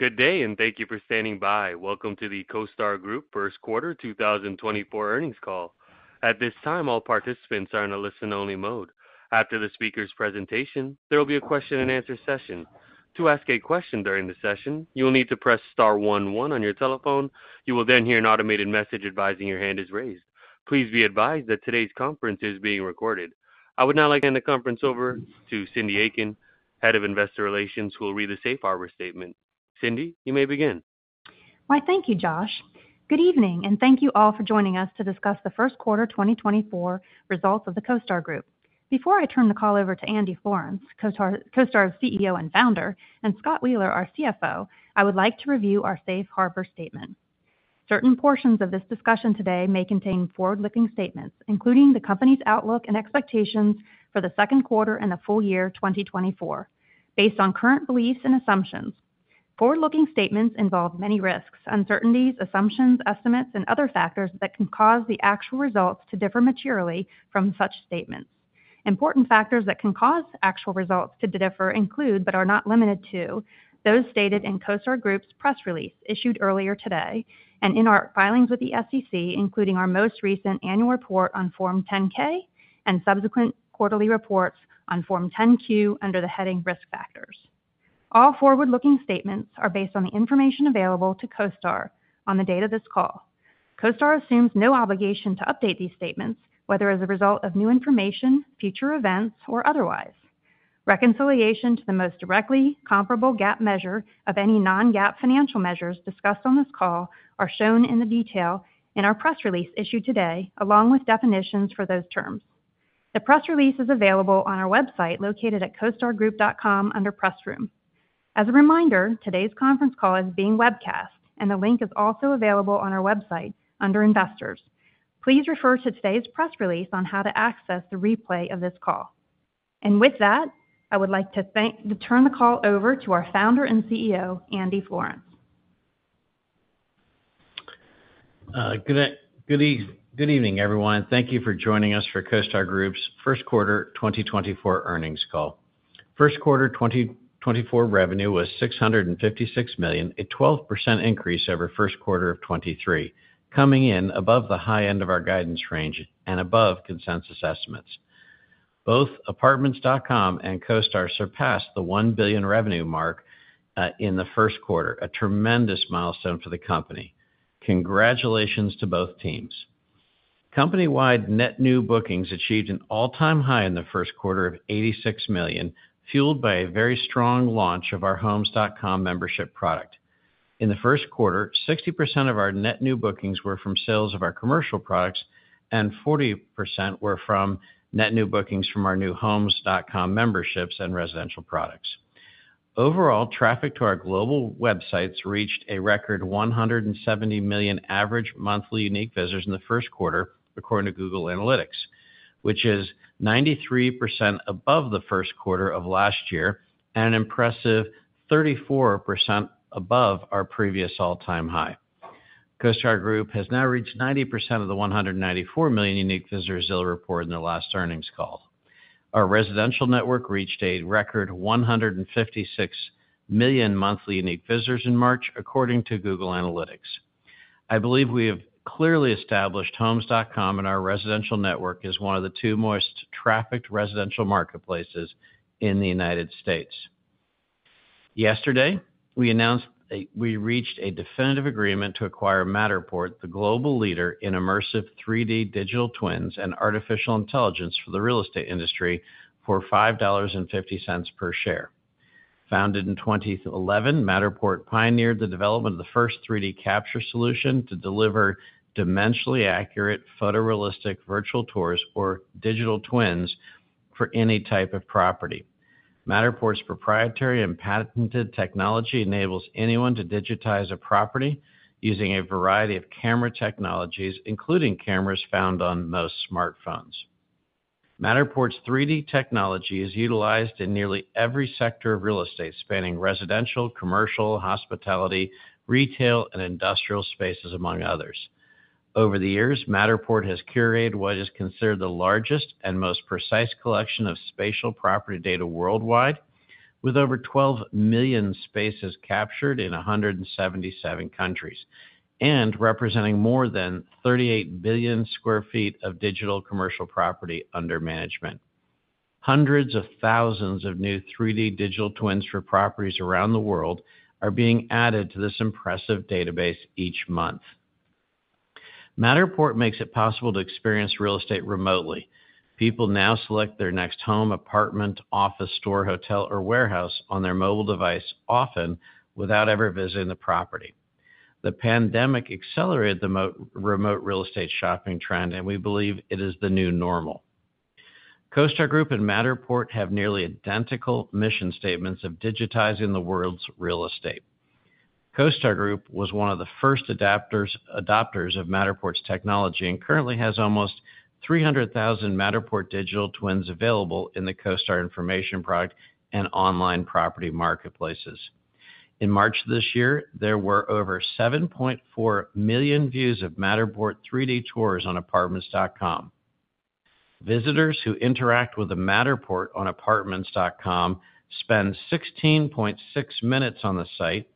Good day, and thank you for standing by. Welcome to the CoStar Group First Quarter 2024 Earnings Call. At this time, all participants are in a listen-only mode. After the speaker's presentation, there will be a question-and-answer session. To ask a question during the session, you will need to press star one one on your telephone. You will then hear an automated message advising your hand is raised. Please be advised that today's conference is being recorded. I would now like to hand the conference over to Cyndi Eakin, Head of Investor Relations, who will read the Safe Harbor Statement. Cyndi, you may begin. Why thank you, Josh. Good evening, and thank you all for joining us to discuss the first quarter 2024 results of the CoStar Group. Before I turn the call over to Andy Florance, CoStar, CoStar's CEO and founder, and Scott Wheeler, our CFO, I would like to review our Safe Harbor statement. Certain portions of this discussion today may contain forward-looking statements, including the company's outlook and expectations for the second quarter and the full year 2024, based on current beliefs and assumptions. Forward-looking statements involve many risks, uncertainties, assumptions, estimates, and other factors that can cause the actual results to differ materially from such statements. Important factors that can cause actual results to differ include, but are not limited to, those stated in CoStar Group's press release issued earlier today, and in our filings with the SEC, including our most recent annual report on Form 10-K and subsequent quarterly reports on Form 10-Q under the heading Risk Factors. All forward-looking statements are based on the information available to CoStar on the date of this call. CoStar assumes no obligation to update these statements, whether as a result of new information, future events, or otherwise. Reconciliation to the most directly comparable GAAP measure of any non-GAAP financial measures discussed on this call are shown in the detail in our press release issued today, along with definitions for those terms. The press release is available on our website located at costargroup.com under Press Room. As a reminder, today's conference call is being webcast, and the link is also available on our website under Investors. Please refer to today's press release on how to access the replay of this call. With that, I would like to turn the call over to our founder and CEO, Andy Florance. Good evening, everyone. Thank you for joining us for CoStar Group's First Quarter 2024 Earnings Call. First quarter 2024 revenue was $656 million, a 12% increase over first quarter of 2023, coming in above the high end of our guidance range and above consensus estimates. Both Apartments.com and CoStar surpassed the $1 billion revenue mark in the first quarter, a tremendous milestone for the company. Congratulations to both teams. Company-wide net new bookings achieved an all-time high in the first quarter of $86 million, fueled by a very strong launch of our Homes.com membership product. In the first quarter, 60% of our net new bookings were from sales of our commercial products, and 40% were from net new bookings from our new Homes.com memberships and residential products. Overall, traffic to our global websites reached a record 170 million average monthly unique visitors in the first quarter, according to Google Analytics, which is 93% above the first quarter of last year and an impressive 34% above our previous all-time high. CoStar Group has now reached 90% of the 194 million unique visitors they reported in the last earnings call. Our residential network reached a record 156 million monthly unique visitors in March, according to Google Analytics. I believe we have clearly established Homes.com, and our residential network is one of the two most trafficked residential marketplaces in the United States. Yesterday, we announced we reached a definitive agreement to acquire Matterport, the global leader digital twins and artificial intelligence for the real estate industry, for $5.50 per share. Founded in 2011, Matterport pioneered the development of the first 3D capture solution to deliver dimensionally accurate, photorealistic digital twins for any type of property. Matterport's proprietary and patented technology enables anyone to digitize a property using a variety of camera technologies, including cameras found on most smartphones. Matterport's 3D technology is utilized in nearly every sector of real estate, spanning residential, commercial, hospitality, retail, and industrial spaces, among others. Over the years, Matterport has curated what is considered the largest and most precise collection of spatial property data worldwide, with over 12 million spaces captured in 177 countries, and representing more than 38 billion sq ft of digital commercial property under management. Hundreds of thousands digital twins for properties around the world are being added to this impressive database each month. Matterport makes it possible to experience real estate remotely. People now select their next home, apartment, office, store, hotel, or warehouse on their mobile device, often without ever visiting the property. The pandemic accelerated the more remote real estate shopping trend, and we believe it is the new normal. CoStar Group and Matterport have nearly identical mission statements of digitizing the world's real estate. CoStar Group was one of the first adopters of Matterport's technology, and currently has digital twins available in the CoStar information product and online property marketplaces. In March this year, there were over 7.4 million views of Matterport 3D tours on Apartments.com. Visitors who interact with the Matterport on Apartments.com spend 16.6 minutes on the site,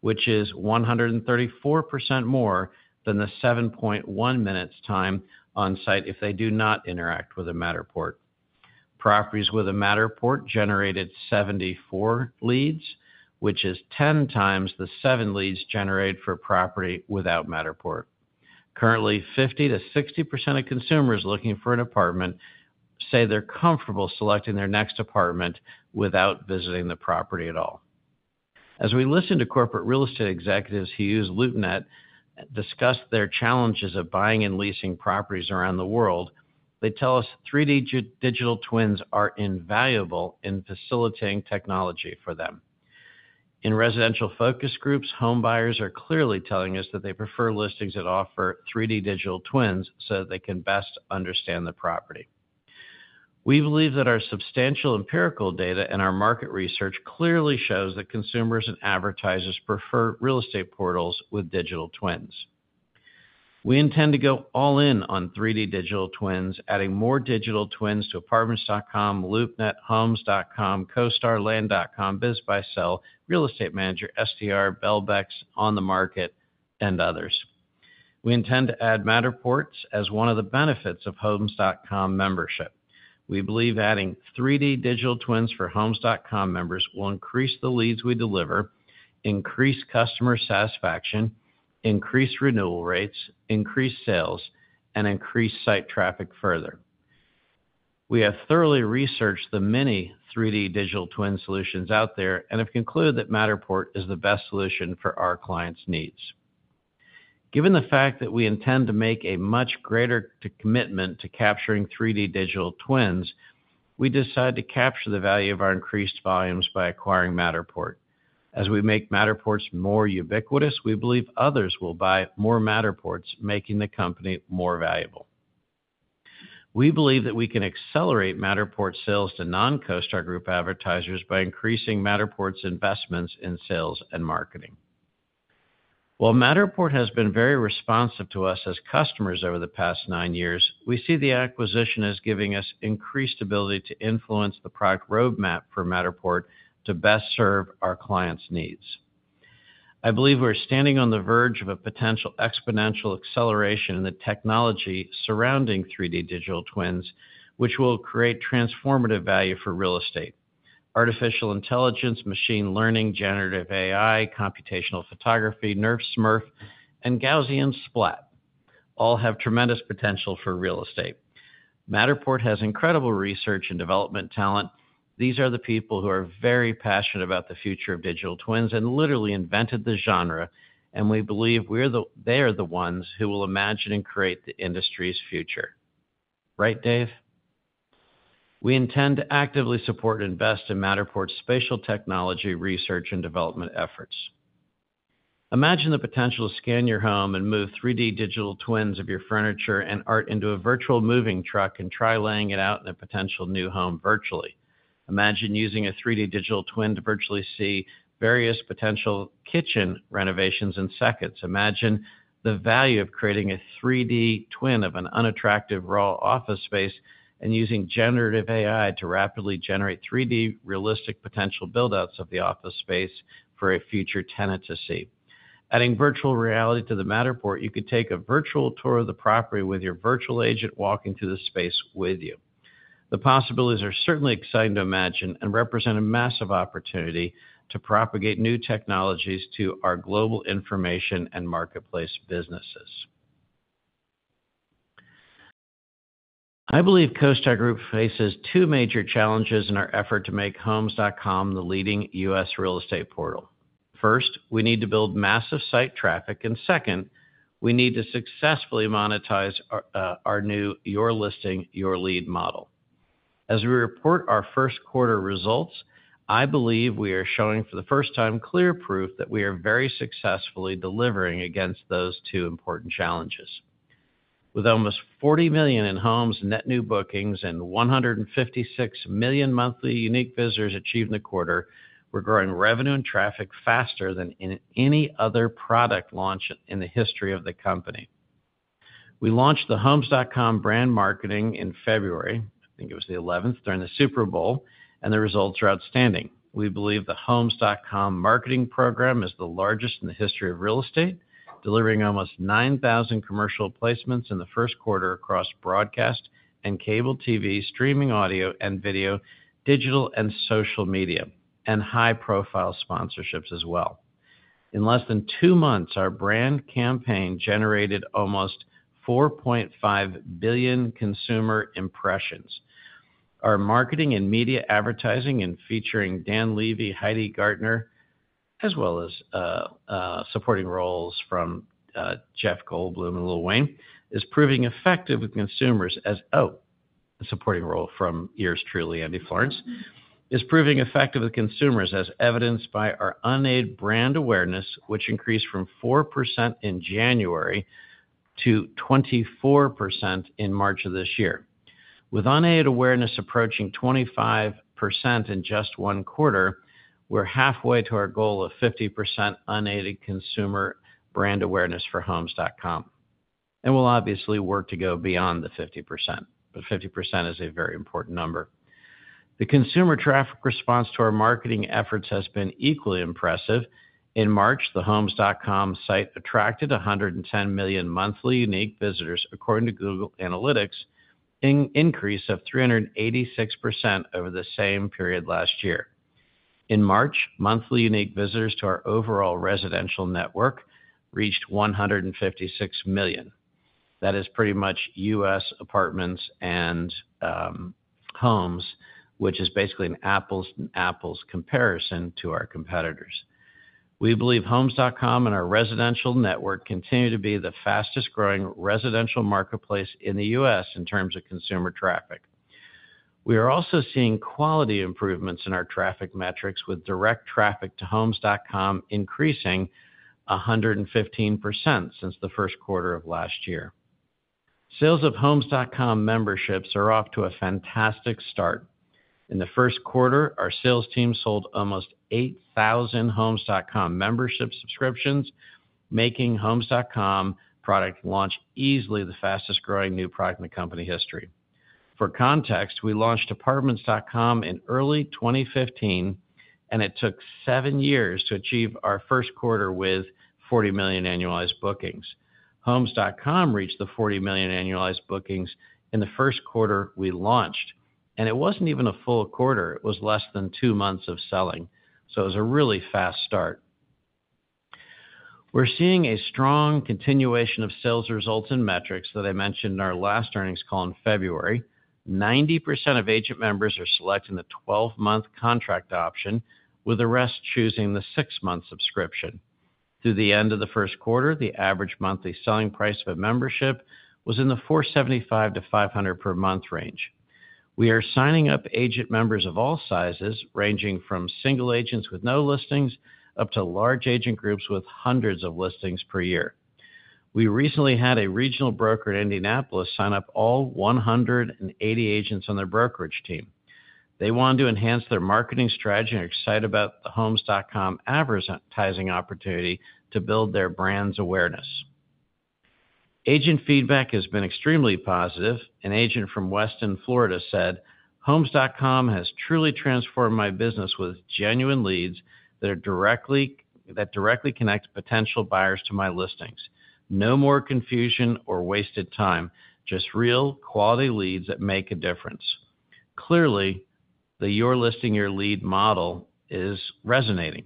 which is 134% more than the 7.1 minutes time on site if they do not interact with the Matterport. Properties with a Matterport generated 74 leads, which is 10 times the 7 leads generated for a property without Matterport. Currently, 50%-60% of consumers looking for an apartment say they're comfortable selecting their next apartment without visiting the property at all. As we listen to corporate real estate executives who use LoopNet discuss their challenges of buying and leasing properties around the world, they tell us 3D digital twins are invaluable in facilitating technology for them. In residential focus groups, home buyers are clearly telling us that they prefer listings digital twins so that they can best understand the property. We believe that our substantial empirical data and our market research clearly shows that consumers and advertisers prefer real digital twins. we intend to go all digital twins to Apartments.com, LoopNet, Homes.com, CoStar, Land.com, BizBuySell, Real Estate Manager, STR, Belbex, OnTheMarket, and others. We intend to add Matterports as one of the benefits of Homes.com membership. We digital twins for Homes.com members will increase the leads we deliver, increase customer satisfaction, increase renewal rates, increase sales, and increase site traffic further. We have thoroughly researched the many digital twin solutions out there, and have concluded that Matterport is the best solution for our clients' needs. Given the fact that we intend to make a much greater commitment digital twins, we decided to capture the value of our increased volumes by acquiring Matterport. As we make Matterports more ubiquitous, we believe others will buy more Matterports, making the company more valuable. We believe that we can accelerate Matterport sales to non-CoStar Group advertisers by increasing Matterport's investments in sales and marketing. While Matterport has been very responsive to us as customers over the past nine years, we see the acquisition as giving us increased ability to influence the product roadmap for Matterport to best serve our clients' needs. I believe we're standing on the verge of a potential exponential acceleration in the digital twins, which will create transformative value for real estate. Artificial intelligence, machine learning, generative AI, computational photography, NeRF, SMERF, and Gaussian splat all have tremendous potential for real estate. Matterport has incredible research and development talent. These are the people who are very passionate about digital twins and literally invented the genre, and we believe we're the, they are the ones who will imagine and create the industry's future. Right, Dave? We intend to actively support and invest in Matterport's spatial technology research and development efforts. Imagine the potential to scan your home digital twins of your furniture and art into a virtual moving truck and try laying it out in a potential new home virtually. Imagine using a digital twin to virtually see various potential kitchen renovations in seconds. Imagine the value of creating a 3D twin of an unattractive, raw office space and using generative AI to rapidly generate 3D realistic potential build-outs of the office space for a future tenant to see. Adding virtual reality to the Matterport, you could take a virtual tour of the property with your virtual agent walking through the space with you. The possibilities are certainly exciting to imagine and represent a massive opportunity to propagate new technologies to our global information and marketplace businesses. I believe CoStar Group faces two major challenges in our effort to make Homes.com the leading U.S. real estate portal. First, we need to build massive site traffic, and second, we need to successfully monetize our, our new Your Listing, Your Lead model. As we report our first quarter results, I believe we are showing, for the first time, clear proof that we are very successfully delivering against those two important challenges. With almost $40 million in Homes.com net new bookings, and 156 million monthly unique visitors achieved in the quarter, we're growing revenue and traffic faster than in any other product launch in the history of the company. We launched the Homes.com brand marketing in February, I think it was the 11th, during the Super Bowl, and the results are outstanding. We believe the Homes.com marketing program is the largest in the history of real estate, delivering almost 9,000 commercial placements in the first quarter across broadcast and cable TV, streaming audio and video, digital and social media, and high-profile sponsorships as well. In less than two months, our brand campaign generated almost 4.5 billion consumer impressions. Our marketing and media advertising, featuring Dan Levy, Heidi Gardner, as well as supporting roles from Jeff Goldblum and Lil Wayne, and a supporting role from yours truly, Andy Florance, is proving effective with consumers, as evidenced by our unaided brand awareness, which increased from 4% in January to 24% in March of this year. With unaided awareness approaching 25% in just one quarter, we're halfway to our goal of 50% unaided consumer brand awareness for Homes.com. and we'll obviously work to go beyond the 50%, but 50% is a very important number. The consumer traffic response to our marketing efforts has been equally impressive. In March, the Homes.com site attracted 110 million monthly unique visitors, according to Google Analytics, an increase of 386% over the same period last year. In March, monthly unique visitors to our overall residential network reached 156 million. That is pretty much U.S. Apartments and Homes, which is basically an apples-to-apples comparison to our competitors. We believe Homes.com and our residential network continue to be the fastest-growing residential marketplace in the U.S. in terms of consumer traffic. We are also seeing quality improvements in our traffic metrics, with direct traffic to Homes.com increasing 115% since the first quarter of last year. Sales of Homes.com memberships are off to a fantastic start. In the first quarter, our sales team sold almost 8,000 Homes.com membership subscriptions, making Homes.com product launch easily the fastest-growing new product in the company history. For context, we launched Apartments.com in early 2015, and it took seven years to achieve our first quarter with $40 million annualized bookings. Homes.com reached the $40 million annualized bookings in the first quarter we launched, and it wasn't even a full quarter. It was less than two months of selling, so it was a really fast start. We're seeing a strong continuation of sales results and metrics that I mentioned in our last earnings call in February. 90% of agent members are selecting the 12-month contract option, with the rest choosing the six-month subscription. Through the end of the first quarter, the average monthly selling price of a membership was in the $475-$500 per month range. We are signing up agent members of all sizes, ranging from single agents with no listings, up to large agent groups with hundreds of listings per year. We recently had a regional broker in Indianapolis sign up all 180 agents on their brokerage team. They wanted to enhance their marketing strategy and are excited about the Homes.com advertising opportunity to build their brand's awareness. Agent feedback has been extremely positive. An agent from Weston, Florida, said: "Homes.com has truly transformed my business with genuine leads that directly connect potential buyers to my listings. No more confusion or wasted time, just real quality leads that make a difference." Clearly, the Your Listing, Your Lead model is resonating.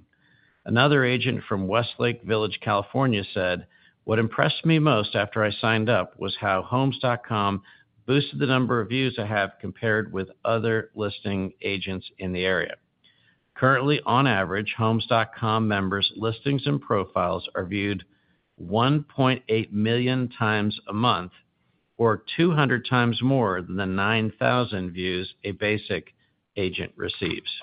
Another agent from Westlake Village, California, said: "What impressed me most after I signed up was how Homes.com boosted the number of views I have compared with other listing agents in the area." Currently, on average, Homes.com members' listings and profiles are viewed 1.8 million times a month, or 200x more than the 9,000 views a basic agent receives.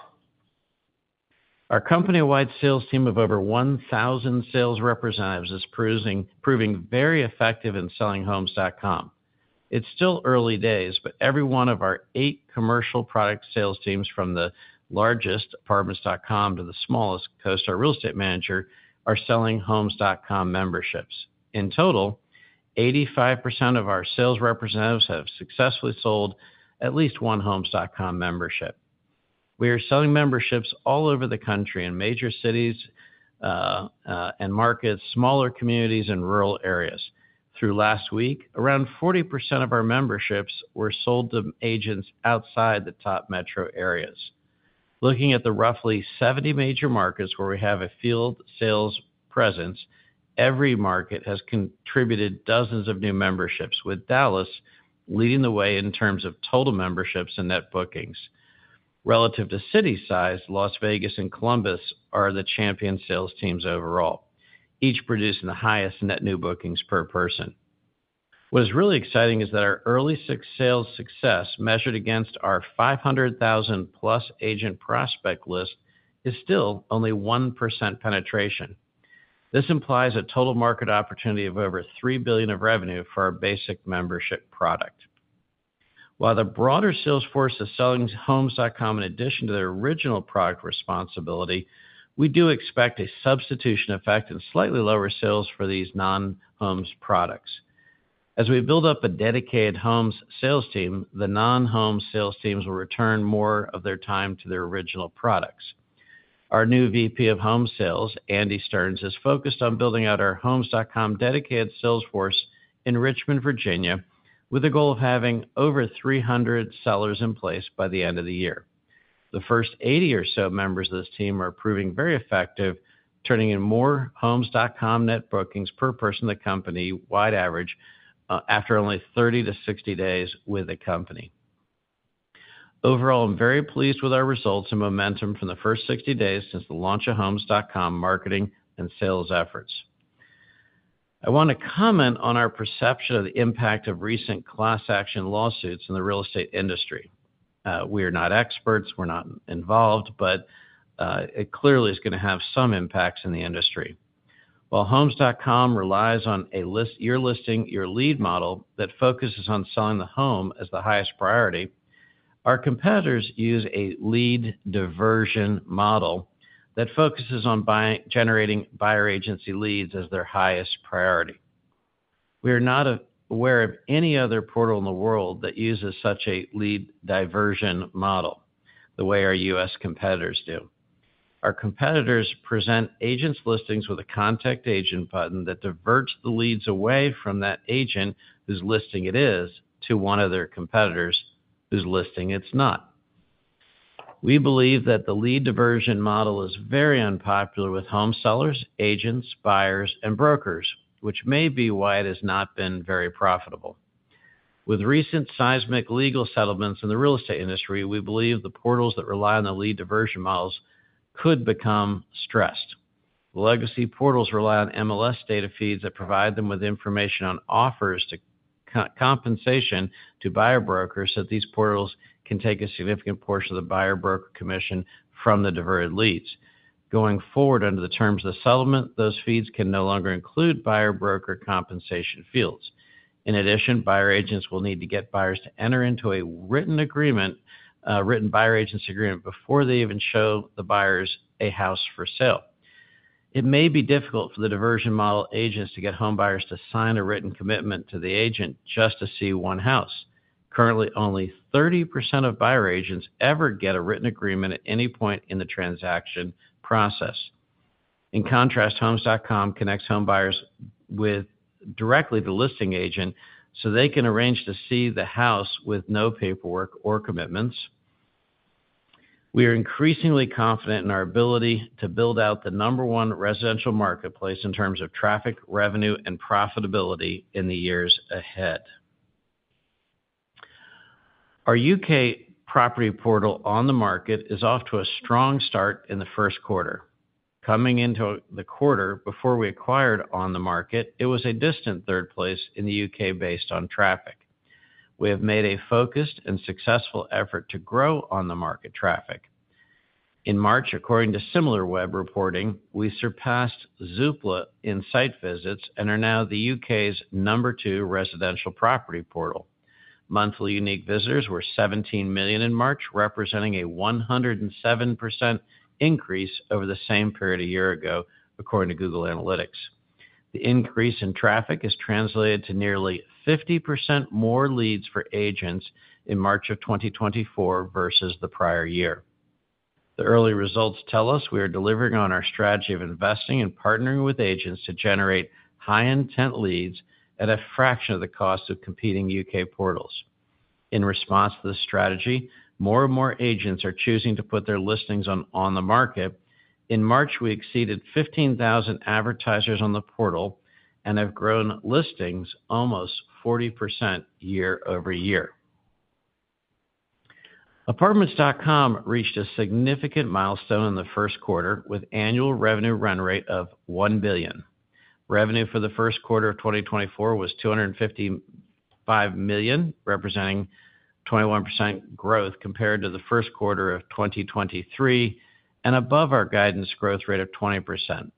Our company-wide sales team of over 1,000 sales representatives is proving very effective in selling Homes.com. It's still early days, but every one of our 8 commercial product sales teams, from the largest, Apartments.com, to the smallest, CoStar Real Estate Manager, are selling Homes.com memberships. In total, 85% of our sales representatives have successfully sold at least one Homes.com membership. We are selling memberships all over the country, in major cities, and markets, smaller communities, and rural areas. Through last week, around 40% of our memberships were sold to agents outside the top metro areas. Looking at the roughly 70 major markets where we have a field sales presence, every market has contributed dozens of new memberships, with Dallas leading the way in terms of total memberships and net bookings. Relative to city size, Las Vegas and Columbus are the champion sales teams overall, each producing the highest net new bookings per person. What is really exciting is that our early sales success, measured against our 500,000+ agent prospect list, is still only 1% penetration. This implies a total market opportunity of over $3 billion of revenue for our basic membership product. While the broader sales force is selling Homes.com in addition to their original product responsibility, we do expect a substitution effect and slightly lower sales for these non-Homes products. As we build up a dedicated Homes sales team, the non-Homes sales teams will return more of their time to their original products. Our new VP of Homes sales, Andy Stearns, is focused on building out our Homes.com dedicated sales force in Richmond, Virginia, with a goal of having over 300 sellers in place by the end of the year. The first 80 or so members of this team are proving very effective, turning in more Homes.com net bookings per person than company-wide average after only 30-60 days with the company. Overall, I'm very pleased with our results and momentum from the first 60 days since the launch of Homes.com marketing and sales efforts. I want to comment on our perception of the impact of recent class action lawsuits in the real estate industry. We are not experts, we're not involved, but it clearly is going to have some impacts in the industry. While Homes.com relies on a listing, Your Listing, Your Lead model that focuses on selling the home as the highest priority. Our competitors use a lead diversion model that focuses on buying, generating buyer agency leads as their highest priority. We are not aware of any other portal in the world that uses such a lead diversion model the way our U.S. competitors do. Our competitors present agents listings with a contact agent button that diverts the leads away from that agent whose listing it is, to one of their competitors whose listing it's not. We believe that the lead diversion model is very unpopular with home sellers, agents, buyers, and brokers, which may be why it has not been very profitable. With recent seismic legal settlements in the real estate industry, we believe the portals that rely on the lead diversion models could become stressed. Legacy portals rely on MLS data feeds that provide them with information on offers to co-compensation to buyer brokers, so these portals can take a significant portion of the buyer broker commission from the diverted leads. Going forward, under the terms of the settlement, those feeds can no longer include buyer broker compensation fields. In addition, buyer agents will need to get buyers to enter into a written agreement, written buyer agents agreement, before they even show the buyers a house for sale. It may be difficult for the diversion model agents to get home buyers to sign a written commitment to the agent just to see one house. Currently, only 30% of buyer agents ever get a written agreement at any point in the transaction process. In contrast, Homes.com connects home buyers with directly the listing agent, so they can arrange to see the house with no paperwork or commitments. We are increasingly confident in our ability to build out the number one residential marketplace in terms of traffic, revenue, and profitability in the years ahead. Our U.K. property portal OnTheMarket is off to a strong start in the first quarter. Coming into the quarter, before we acquired OnTheMarket, it was a distant third place in the U.K. based on traffic. We have made a focused and successful effort to grow OnTheMarket traffic. In March, according to Similarweb reporting, we surpassed Zoopla in site visits and are now the U.K.'s number two residential property portal. Monthly unique visitors were 17 million in March, representing a 107% increase over the same period a year ago, according to Google Analytics. The increase in traffic has translated to nearly 50% more leads for agents in March of 2024 versus the prior year. The early results tell us we are delivering on our strategy of investing and partnering with agents to generate high-intent leads at a fraction of the cost of competing UK portals. In response to this strategy, more and more agents are choosing to put their listings on OnTheMarket. In March, we exceeded 15,000 advertisers on the portal and have grown listings almost 40% year-over-year. Apartments.com reached a significant milestone in the first quarter with annual revenue run rate of $1 billion. Revenue for the first quarter of 2024 was $255 million, representing 21% growth compared to the first quarter of 2023 and above our guidance growth rate of 20%.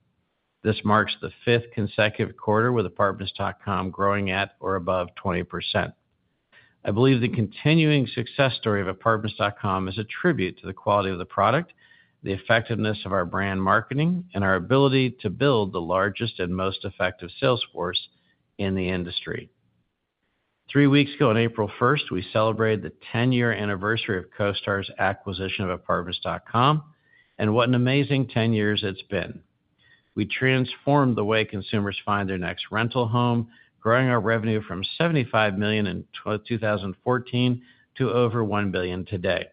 This marks the fifth consecutive quarter, with Apartments.com growing at or above 20%. I believe the continuing success story of Apartments.com is a tribute to the quality of the product, the effectiveness of our brand marketing, and our ability to build the largest and most effective sales force in the industry. Three weeks ago, on April 1st, we celebrated the 10-year anniversary of CoStar's acquisition of Apartments.com, and what an amazing 10 years it's been. We transformed the way consumers find their next rental home, growing our revenue from $75 million in 2014 to over $1 billion today.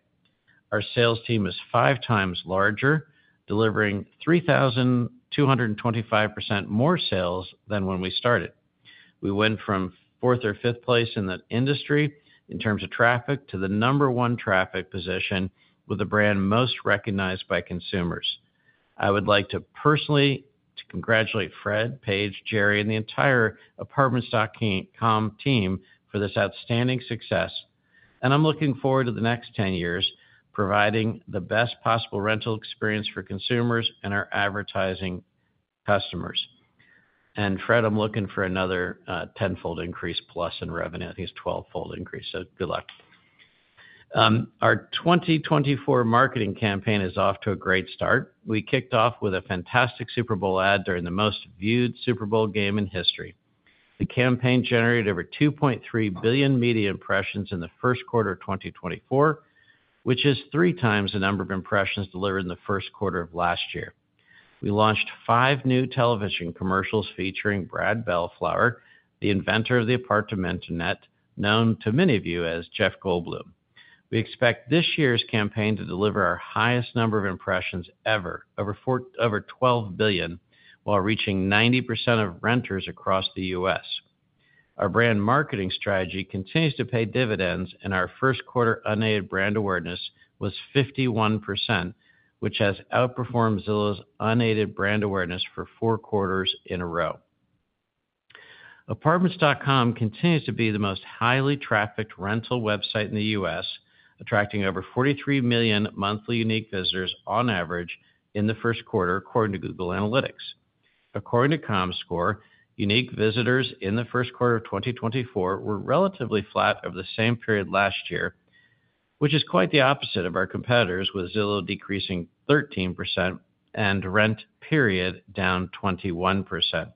Our sales team is five times larger, delivering 3,225% more sales than when we started. We went from fourth or fifth place in the industry in terms of traffic, to the number one traffic position with the brand most recognized by consumers. I would like to personally to congratulate Fred, Paige, Jerry, and the entire Apartments.com team for this outstanding success, and I'm looking forward to the next 10 years, providing the best possible rental experience for consumers and our advertising customers. Fred, I'm looking for another tenfold increase, plus in revenue, I think it's twelvefold increase, so good luck. Our 2024 marketing campaign is off to a great start. We kicked off with a fantastic Super Bowl ad during the most viewed Super Bowl game in history. The campaign generated over 2.3 billion media impressions in the first quarter of 2024, which is three times the number of impressions delivered in the first quarter of last year. We launched five new television commercials featuring Brad Bellflower, the inventor of the Apartment Internet, known to many of you as Jeff Goldblum. We expect this year's campaign to deliver our highest number of impressions ever, over 12 billion, while reaching 90% of renters across the U.S. Our brand marketing strategy continues to pay dividends, and our first quarter unaided brand awareness was 51%, which has outperformed Zillow's unaided brand awareness for 4 quarters in a row. Apartments.com continues to be the most highly trafficked rental website in the U.S., attracting over 43 million monthly unique visitors on average in the first quarter, according to Google Analytics. According to Comscore, unique visitors in the first quarter of 2024 were relatively flat over the same period last year, which is quite the opposite of our competitors, with Zillow decreasing 13% and Rent. down 21%.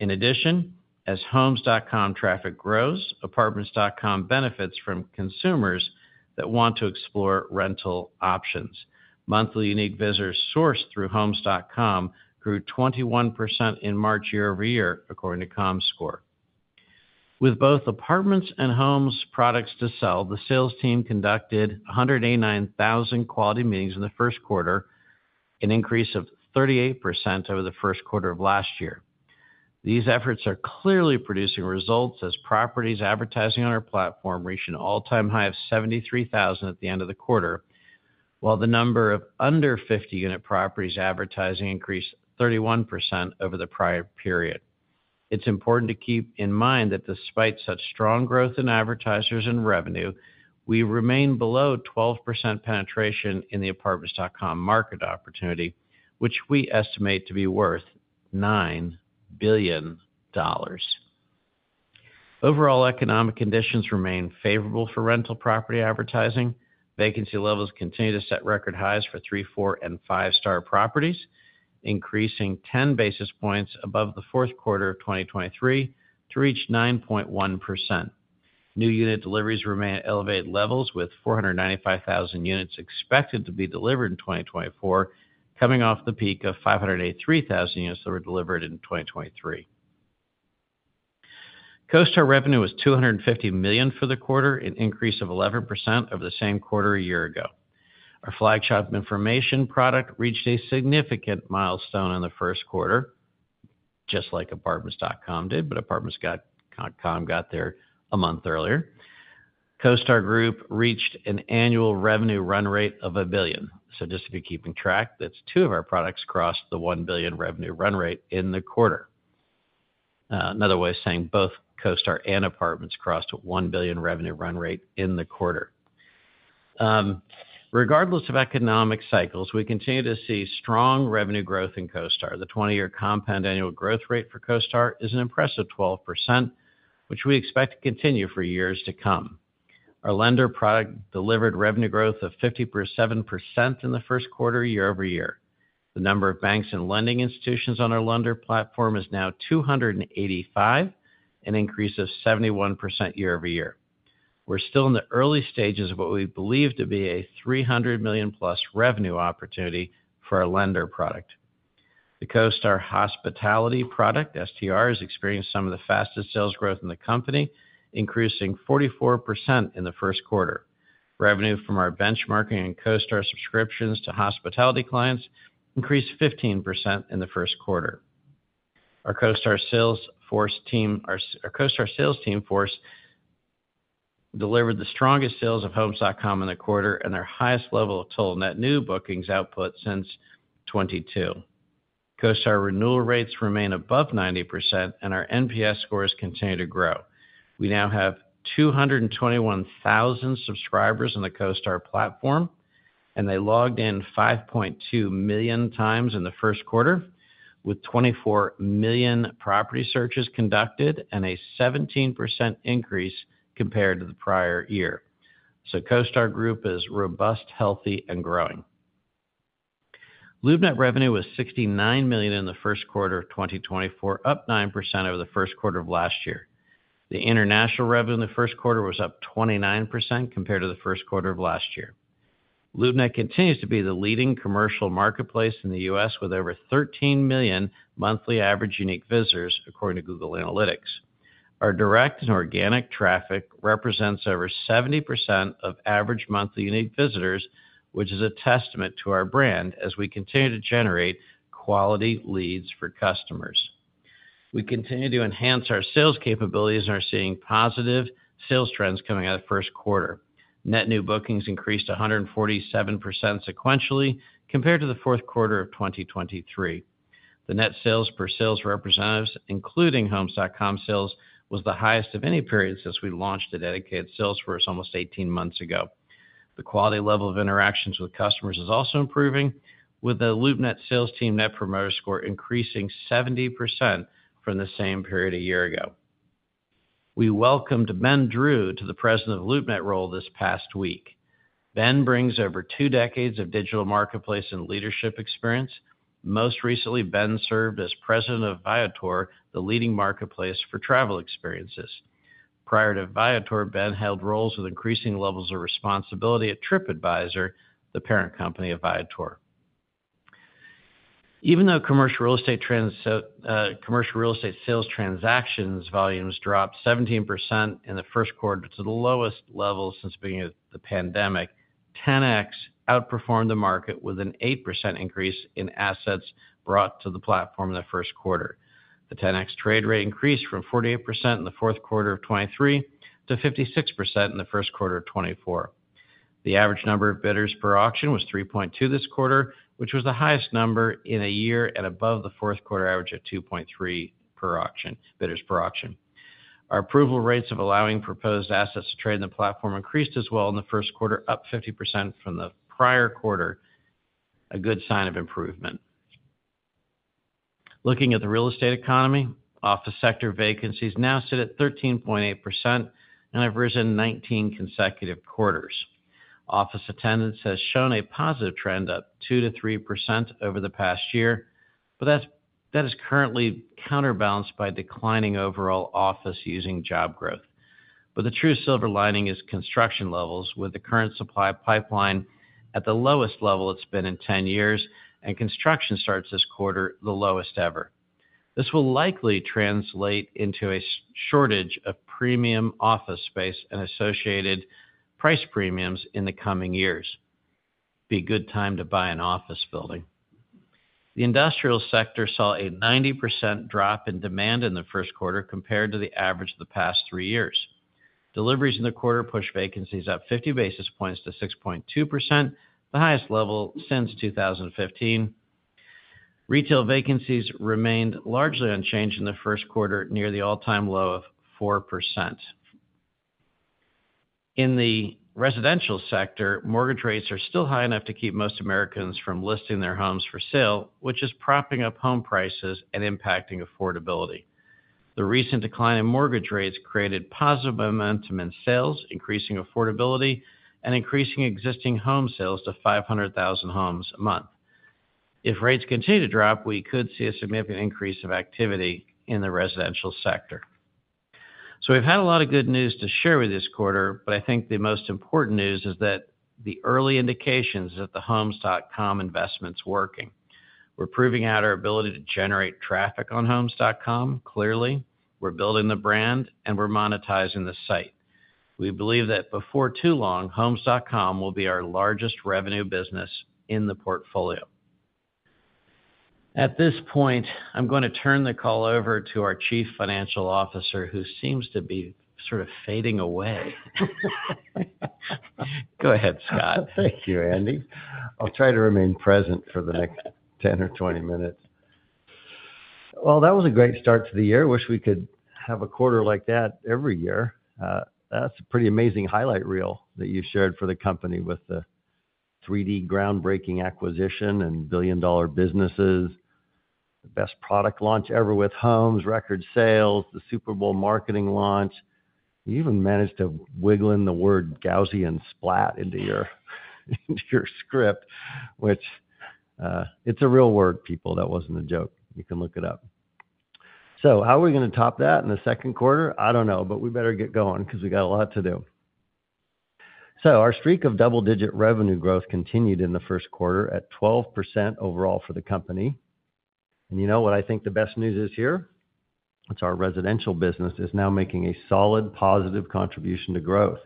In addition, as Homes.com traffic grows, Apartments.com benefits from consumers that want to explore rental options. Monthly unique visitors sourced through Homes.com grew 21% in March, year-over-year, according to Comscore. With both Apartments and Homes products to sell, the sales team conducted 189,000 quality meetings in the first quarter, an increase of 38% over the first quarter of last year. These efforts are clearly producing results as properties advertising on our platform reached an all-time high of 73,000 at the end of the quarter, while the number of under 50-unit properties advertising increased 31% over the prior period. It's important to keep in mind that despite such strong growth in advertisers and revenue, we remain below 12% penetration in the Apartments.com market opportunity, which we estimate to be worth $9 billion. Overall, economic conditions remain favorable for rental property advertising. Vacancy levels continue to set record highs for three, four, and five-star properties, increasing 10 basis points above the fourth quarter of 2023 to reach 9.1%. New unit deliveries remain at elevated levels, with 495,000 units expected to be delivered in 2024, coming off the peak of 583,000 units that were delivered in 2023. CoStar revenue was $250 million for the quarter, an increase of 11% over the same quarter a year ago. Our flagship information product reached a significant milestone in the first quarter, just like Apartments.com did, but Apartments.com got there a month earlier. CoStar Group reached an annual revenue run rate of $1 billion. So just to be keeping track, that's two of our products crossed the $1 billion revenue run rate in the quarter. Another way of saying both CoStar and Apartments crossed a $1 billion revenue run rate in the quarter. Regardless of economic cycles, we continue to see strong revenue growth in CoStar. The 20-year compound annual growth rate for CoStar is an impressive 12%, which we expect to continue for years to come. Our lender product delivered revenue growth of 57% in the first quarter, year-over-year. The number of banks and lending institutions on our lender platform is now 285, an increase of 71% year-over-year. We're still in the early stages of what we believe to be a $300 million-plus revenue opportunity for our lender product. The CoStar Hospitality product, STR, has experienced some of the fastest sales growth in the company, increasing 44% in the first quarter. Revenue from our benchmarking and CoStar subscriptions to hospitality clients increased 15% in the first quarter. Our CoStar sales team force delivered the strongest sales of Homes.com in the quarter and our highest level of total net new bookings output since 2022. CoStar renewal rates remain above 90%, and our NPS scores continue to grow. We now have 221,000 subscribers on the CoStar platform, and they logged in 5.2 million times in the first quarter, with 24 million property searches conducted and a 17% increase compared to the prior year. So CoStar Group is robust, healthy and growing. LoopNet revenue was $69 million in the first quarter of 2024, up 9% over the first quarter of last year. The international revenue in the first quarter was up 29% compared to the first quarter of last year. LoopNet continues to be the leading commercial marketplace in the U.S., with over 13 million monthly average unique visitors, according to Google Analytics. Our direct and organic traffic represents over 70% of average monthly unique visitors, which is a testament to our brand as we continue to generate quality leads for customers. We continue to enhance our sales capabilities and are seeing positive sales trends coming out of the first quarter. Net new bookings increased 147% sequentially compared to the fourth quarter of 2023. The net sales per sales representatives, including Homes.com sales, was the highest of any period since we launched a dedicated sales force almost 18 months ago. The quality level of interactions with customers is also improving, with the LoopNet sales team Net Promoter Score increasing 70% from the same period a year ago. We welcomed Ben Drew to the president of LoopNet role this past week. Ben brings over two decades of digital marketplace and leadership experience. Most recently, Ben served as president of Viator, the leading marketplace for travel experiences. Prior to Viator, Ben held roles with increasing levels of responsibility at TripAdvisor, the parent company of Viator. Even though commercial real estate trends, commercial real estate sales transactions volumes dropped 17% in the first quarter to the lowest levels since beginning of the pandemic, Ten-X outperformed the market with an 8% increase in assets brought to the platform in the first quarter. The Ten-X trade rate increased from 48% in the fourth quarter of 2023 to 56% in the first quarter of 2024. The average number of bidders per auction was 3.2 this quarter, which was the highest number in a year at above the fourth quarter average of 2.3 per auction. Our approval rates of allowing proposed assets to trade in the platform increased as well in the first quarter, up 50% from the prior quarter, a good sign of improvement. Looking at the real estate economy, office sector vacancies now sit at 13.8% and have risen 19 consecutive quarters. Office attendance has shown a positive trend, up 2%-3% over the past year, but that is currently counterbalanced by declining overall office using job growth. But the true silver lining is construction levels, with the current supply pipeline at the lowest level it's been in 10 years, and construction starts this quarter, the lowest ever. This will likely translate into a shortage of premium office space and associated price premiums in the coming years. Be a good time to buy an office building. The industrial sector saw a 90% drop in demand in the first quarter compared to the average of the past three years. Deliveries in the quarter pushed vacancies up 50 basis points to 6.2%, the highest level since 2015. Retail vacancies remained largely unchanged in the first quarter, near the all-time low of 4%. In the residential sector, mortgage rates are still high enough to keep most Americans from listing their homes for sale, which is propping up home prices and impacting affordability. The recent decline in mortgage rates created positive momentum in sales, increasing affordability and increasing existing home sales to 500,000 homes a month. If rates continue to drop, we could see a significant increase of activity in the residential sector. So we've had a lot of good news to share with you this quarter, but I think the most important news is that the early indications that the Homes.com investment's working. We're proving out our ability to generate traffic on Homes.com clearly, we're building the brand, and we're monetizing the site. We believe that before too long, Homes.com will be our largest revenue business in the portfolio. At this point, I'm gonna turn the call over to our Chief Financial Officer, who seems to be sort of fading away. Go ahead, Scott. Thank you, Andy. I'll try to remain present for the next 10 or 20 minutes. Well, that was a great start to the year. I wish we could have a quarter like that every year. That's a pretty amazing highlight reel that you shared for the company with the 3D groundbreaking acquisition and billion-dollar businesses, the best product launch ever with Homes, record sales, the Super Bowl marketing launch. You even managed to wiggle in the word Gaussian splat into your script, which, it's a real word, people. That wasn't a joke. You can look it up. So how are we gonna top that in the second quarter? I don't know, but we better get going 'cause we got a lot to do. So our streak of double-digit revenue growth continued in the first quarter at 12% overall for the company. And you know what I think the best news is here? It's our residential business is now making a solid, positive contribution to growth.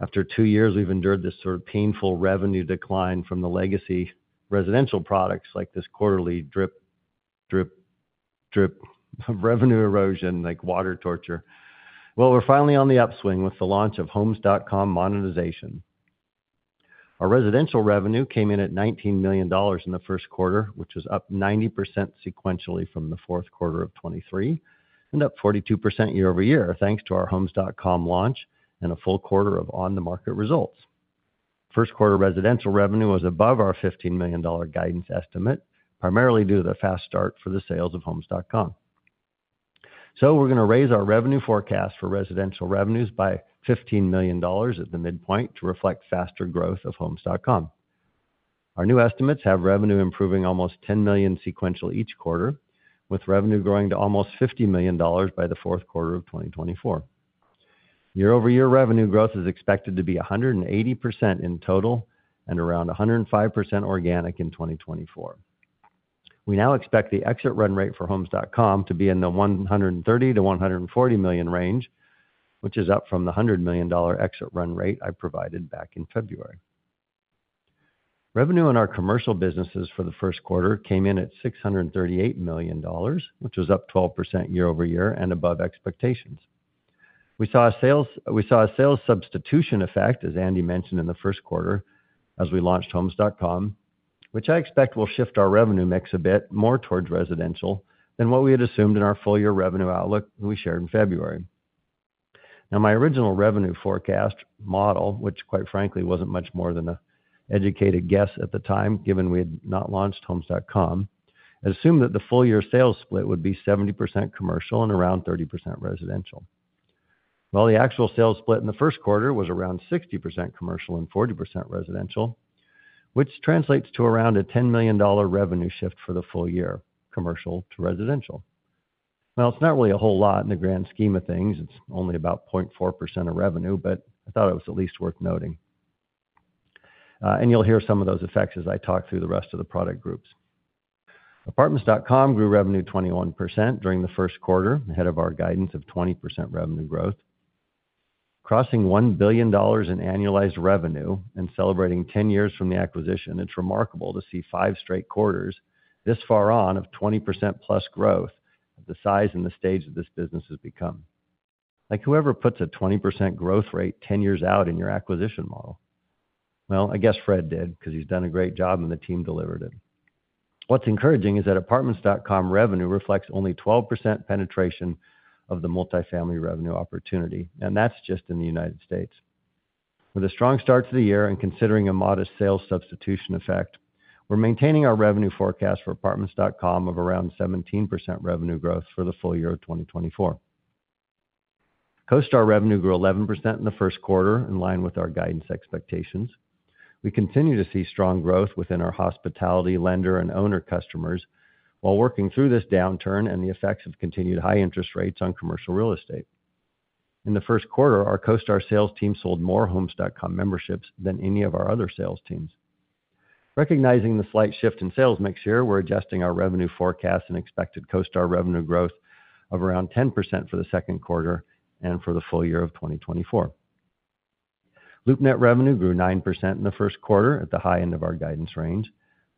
After two years, we've endured this sort of painful revenue decline from the legacy residential products, like this quarterly drip, drip, drip of revenue erosion, like water torture. Well, we're finally on the upswing with the launch of Homes.com monetization. Our residential revenue came in at $19 million in the first quarter, which was up 90% sequentially from the fourth quarter of 2023, and up 42% year-over-year, thanks to our Homes.com launch and a full quarter of OnTheMarket results. First quarter residential revenue was above our $15 million guidance estimate, primarily due to the fast start for the sales of Homes.com. So we're gonna raise our revenue forecast for residential revenues by $15 million at the midpoint to reflect faster growth of Homes.com. Our new estimates have revenue improving almost $10 million sequential each quarter, with revenue growing to almost $50 million by the fourth quarter of 2024. Year-over-year revenue growth is expected to be 180% in total and around 105% organic in 2024. We now expect the exit run rate for Homes.com to be in the $130 million-$140 million range, which is up from the $100 million exit run rate I provided back in February. Revenue in our commercial businesses for the first quarter came in at $638 million, which was up 12% year-over-year and above expectations. We saw a sales substitution effect, as Andy mentioned in the first quarter, as we launched Homes.com, which I expect will shift our revenue mix a bit more towards residential than what we had assumed in our full year revenue outlook we shared in February. Now, my original revenue forecast model, which quite frankly, wasn't much more than an educated guess at the time, given we had not launched Homes.com, assumed that the full year sales split would be 70% commercial and around 30% residential. Well, the actual sales split in the first quarter was around 60% commercial and 40% residential, which translates to around a $10 million revenue shift for the full year, commercial to residential. Well, it's not really a whole lot in the grand scheme of things. It's only about 0.4% of revenue, but I thought it was at least worth noting. And you'll hear some of those effects as I talk through the rest of the product groups. Apartments.com grew revenue 21% during the first quarter, ahead of our guidance of 20% revenue growth. Crossing $1 billion in annualized revenue and celebrating 10 years from the acquisition, it's remarkable to see five straight quarters this far on of 20%+ growth, the size and the stage that this business has become. Like, whoever puts a 20% growth rate 10 years out in your acquisition model? Well, I guess Fred did, because he's done a great job, and the team delivered it. What's encouraging is that Apartments.com revenue reflects only 12% penetration of the multifamily revenue opportunity, and that's just in the United States. With a strong start to the year and considering a modest sales substitution effect, we're maintaining our revenue forecast for Apartments.com of around 17% revenue growth for the full year of 2024. CoStar revenue grew 11% in the first quarter, in line with our guidance expectations. We continue to see strong growth within our hospitality lender and owner customers, while working through this downturn and the effects of continued high interest rates on commercial real estate. In the first quarter, our CoStar sales team sold more Homes.com memberships than any of our other sales teams. Recognizing the slight shift in sales mix here, we're adjusting our revenue forecast and expected CoStar revenue growth of around 10% for the second quarter and for the full year of 2024. LoopNet revenue grew 9% in the first quarter at the high end of our guidance range,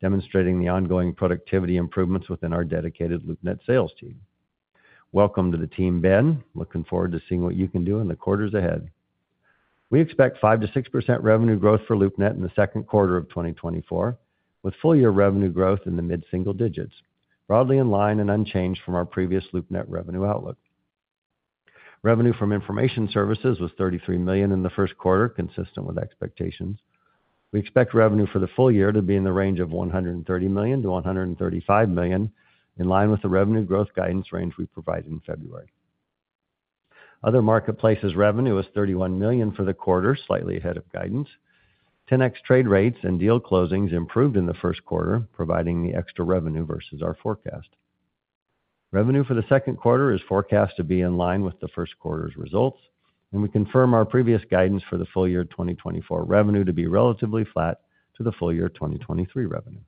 demonstrating the ongoing productivity improvements within our dedicated LoopNet sales team. Welcome to the team, Ben. Looking forward to seeing what you can do in the quarters ahead. We expect 5%-6% revenue growth for LoopNet in the second quarter of 2024, with full year revenue growth in the mid-single digits, broadly in line and unchanged from our previous LoopNet revenue outlook. Revenue from information services was $33 million in the first quarter, consistent with expectations. We expect revenue for the full year to be in the range of $130 million-$135 million, in line with the revenue growth guidance range we provided in February. Other marketplaces revenue was $31 million for the quarter, slightly ahead of guidance. Ten-X trade rates and deal closings improved in the first quarter, providing the extra revenue versus our forecast. Revenue for the second quarter is forecast to be in line with the first quarter's results, and we confirm our previous guidance for the full year 2024 revenue to be relatively flat to the full year 2023 revenue.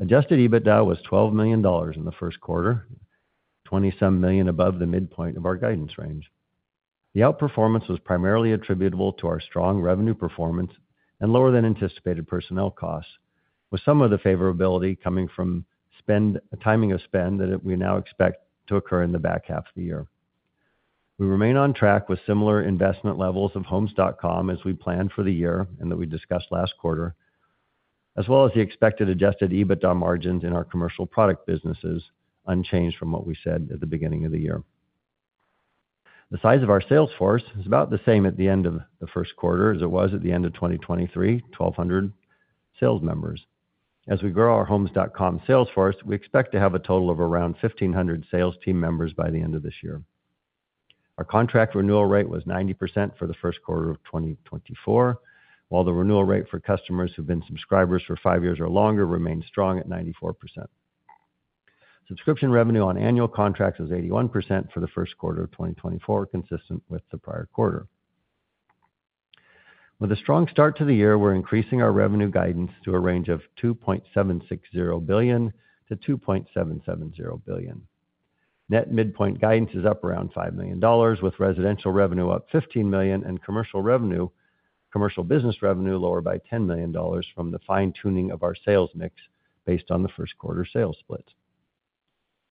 Adjusted EBITDA was $12 million in the first quarter, 20-some million above the midpoint of our guidance range. The outperformance was primarily attributable to our strong revenue performance and lower than anticipated personnel costs, with some of the favorability coming from spend, timing of spend that we now expect to occur in the back half of the year. We remain on track with similar investment levels of Homes.com as we planned for the year and that we discussed last quarter, as well as the expected adjusted EBITDA margins in our commercial product businesses, unchanged from what we said at the beginning of the year. The size of our sales force is about the same at the end of the first quarter as it was at the end of 2023, 1,200 sales members. As we grow our Homes.com sales force, we expect to have a total of around 1,500 sales team members by the end of this year. Our contract renewal rate was 90% for the first quarter of 2024, while the renewal rate for customers who've been subscribers for five years or longer remains strong at 94%. Subscription revenue on annual contracts was 81% for the first quarter of 2024, consistent with the prior quarter. With a strong start to the year, we're increasing our revenue guidance to a range of $2.760 billion-$2.770 billion. Net midpoint guidance is up around $5 million, with residential revenue up $15 million and commercial revenue—commercial business revenue lower by $10 million from the fine-tuning of our sales mix based on the first quarter sales split.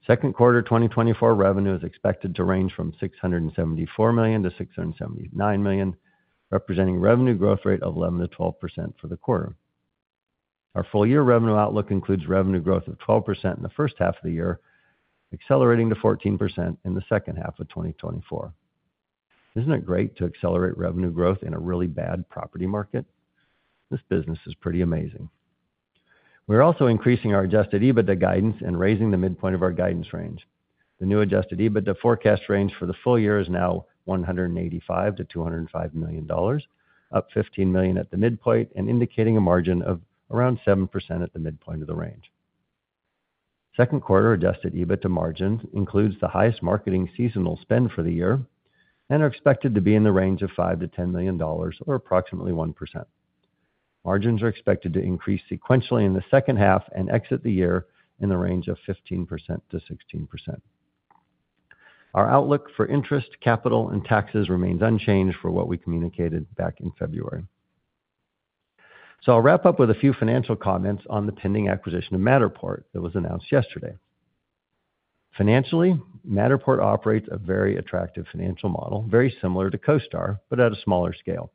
Second quarter 2024 revenue is expected to range from $674 million-$679 million, representing revenue growth rate of 11%-12% for the quarter. Our full year revenue outlook includes revenue growth of 12% in the first half of the year, accelerating to 14% in the second half of 2024. Isn't it great to accelerate revenue growth in a really bad property market? This business is pretty amazing. We're also increasing our adjusted EBITDA guidance and raising the midpoint of our guidance range. The new adjusted EBITDA forecast range for the full year is now $185 million-$205 million, up $15 million at the midpoint, and indicating a margin of around 7% at the midpoint of the range. Second quarter adjusted EBITDA margins includes the highest marketing seasonal spend for the year and are expected to be in the range of $5 million-$10 million or approximately 1%. Margins are expected to increase sequentially in the second half and exit the year in the range of 15%-16%. Our outlook for interest, capital, and taxes remains unchanged for what we communicated back in February. So I'll wrap up with a few financial comments on the pending acquisition of Matterport that was announced yesterday. Financially, Matterport operates a very attractive financial model, very similar to CoStar, but at a smaller scale.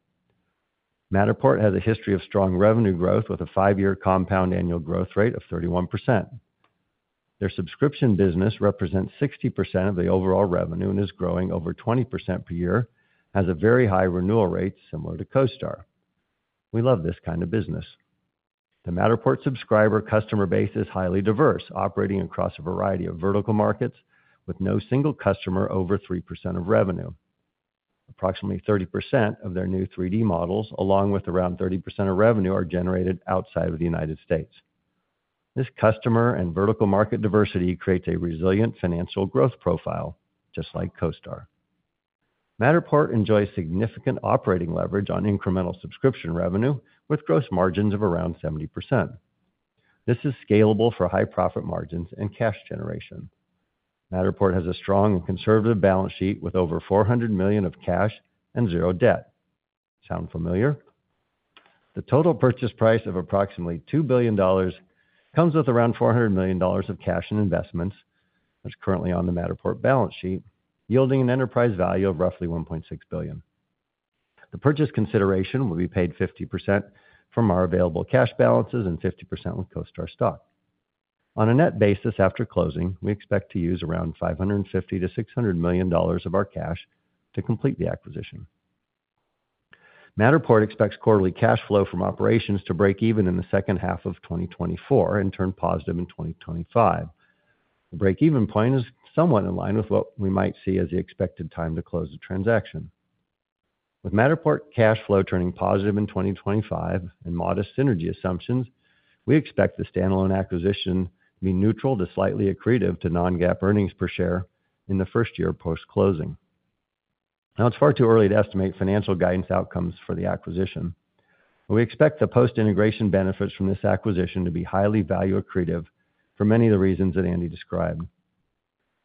Matterport has a history of strong revenue growth with a 5-year compound annual growth rate of 31%. Their subscription business represents 60% of the overall revenue and is growing over 20% per year, has a very high renewal rate similar to CoStar. We love this kind of business. The Matterport subscriber customer base is highly diverse, operating across a variety of vertical markets with no single customer over 3% of revenue. Approximately 30% of their new 3D models, along with around 30% of revenue, are generated outside of the United States. This customer and vertical market diversity creates a resilient financial growth profile, just like CoStar. Matterport enjoys significant operating leverage on incremental subscription revenue, with gross margins of around 70%. This is scalable for high profit margins and cash generation. Matterport has a strong and conservative balance sheet with over $400 million of cash and zero debt. Sound familiar? The total purchase price of approximately $2 billion comes with around $400 million of cash and investments, that's currently on the Matterport balance sheet, yielding an enterprise value of roughly $1.6 billion. The purchase consideration will be paid 50% from our available cash balances and 50% with CoStar stock. On a net basis after closing, we expect to use around $550 million-$600 million of our cash to complete the acquisition. Matterport expects quarterly cash flow from operations to break even in the second half of 2024 and turn positive in 2025. The break-even point is somewhat in line with what we might see as the expected time to close the transaction. With Matterport cash flow turning positive in 2025 and modest synergy assumptions, we expect the standalone acquisition to be neutral to slightly accretive to non-GAAP earnings per share in the first year post-closing. Now, it's far too early to estimate financial guidance outcomes for the acquisition, but we expect the post-integration benefits from this acquisition to be highly value accretive for many of the reasons that Andy described.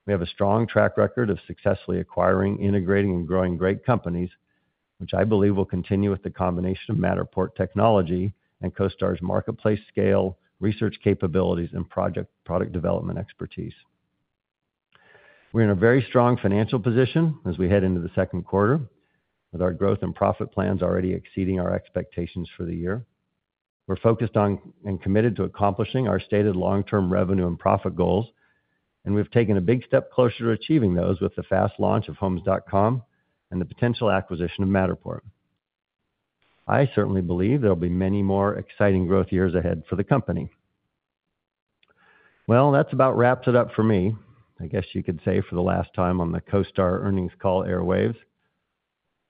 We have a strong track record of successfully acquiring, integrating, and growing great companies, which I believe will continue with the combination of Matterport technology and CoStar's marketplace scale, research capabilities, and product development expertise. We're in a very strong financial position as we head into the second quarter, with our growth and profit plans already exceeding our expectations for the year. We're focused on and committed to accomplishing our stated long-term revenue and profit goals, and we've taken a big step closer to achieving those with the fast launch of Homes.com and the potential acquisition of Matterport. I certainly believe there'll be many more exciting growth years ahead for the company. Well, that about wraps it up for me. I guess you could say, for the last time on the CoStar earnings call airwaves.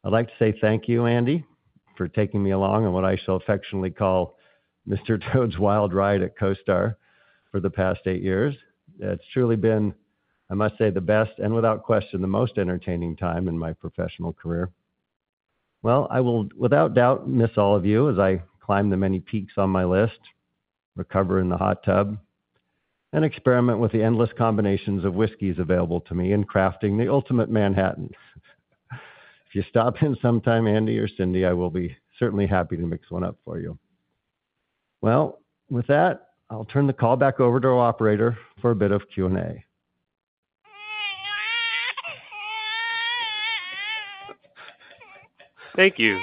I'd like to say thank you, Andy, for taking me along on what I so affectionately call Mr. Toad's Wild Ride at CoStar for the past eight years. It's truly been, I must say, the best and without question, the most entertaining time in my professional career. Well, I will, without doubt, miss all of you as I climb the many peaks on my list, recover in the hot tub, and experiment with the endless combinations of whiskeys available to me in crafting the ultimate Manhattan. If you stop in sometime, Andy or Cyndi, I will be certainly happy to mix one up for you. Well, with that, I'll turn the call back over to our operator for a bit of Q&A. Thank you.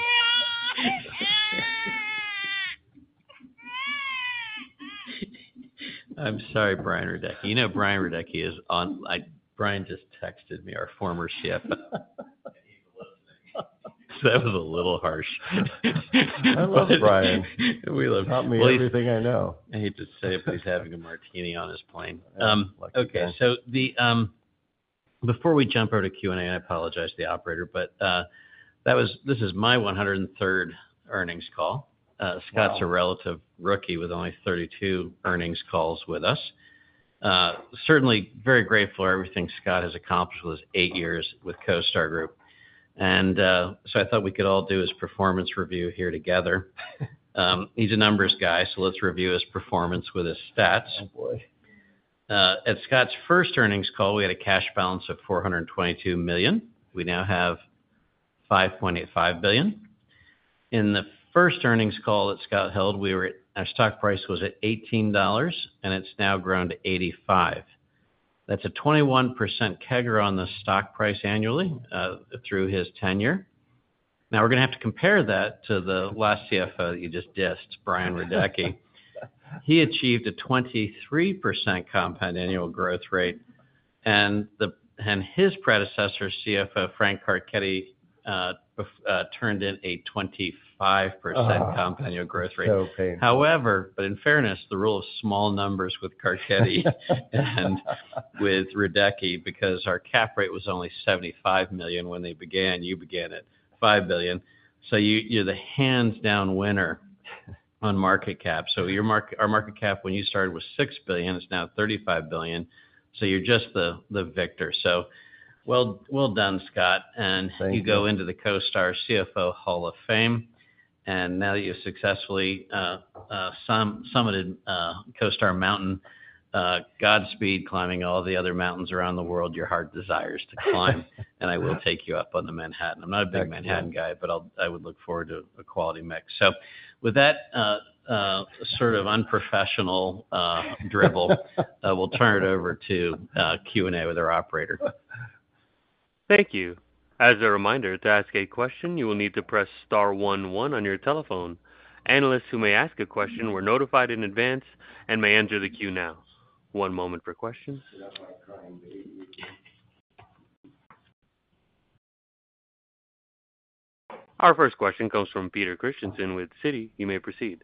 I'm sorry, Brian Radecki. You know, Brian Radecki is on—like, Brian just texted me, our former CFO. He's listening. So that was a little harsh. I love Brian. We love- Taught me everything I know. I hate to say if he's having a martini on his plane. Okay, before we jump over to Q&A, I apologize to the operator, but that was, this is my 103rd earnings call. Wow! Scott's a relative rookie with only 32 earnings calls with us. Certainly very grateful for everything Scott has accomplished with his eight years with CoStar Group, and so I thought we could all do his performance review here together. He's a numbers guy, so let's review his performance with his stats. Oh, boy. At Scott's first earnings call, we had a cash balance of $422 million. We now have $5.85 billion. In the first earnings call that Scott held, our stock price was at $18, and it's now grown to $85. That's a 21% CAGR on the stock price annually through his tenure. Now, we're going to have to compare that to the last CFO you just dissed, Brian Radecki. He achieved a 23% compound annual growth rate, and his predecessor, CFO Frank Carchedi, turned in a 25%- Oh! Compound annual growth rate. So painful. However, but in fairness, the rule of small numbers with Carchedi and with Radecki, because our cap rate was only $75 million when they began. You began at $5 billion. So you're the hands-down winner on market cap. So your market, our market cap, when you started, was $6 billion, it's now $35 billion. So you're just the, the victor. So well, well done, Scott. Thank you. And you go into the CoStar CFO Hall of Fame, and now you've successfully summited CoStar Mountain. Godspeed climbing all the other mountains around the world your heart desires to climb. Yeah. I will take you up on the Manhattan. Thank you. I'm not a big Manhattan guy, but I'll, I would look forward to a quality mix. So with that, sort of unprofessional drivel, we'll turn it over to Q&A with our operator. Thank you. As a reminder, to ask a question, you will need to press star one one on your telephone. Analysts who may ask a question were notified in advance and may enter the queue now. One moment for questions. Our first question comes from Peter Christiansen with Citi. You may proceed.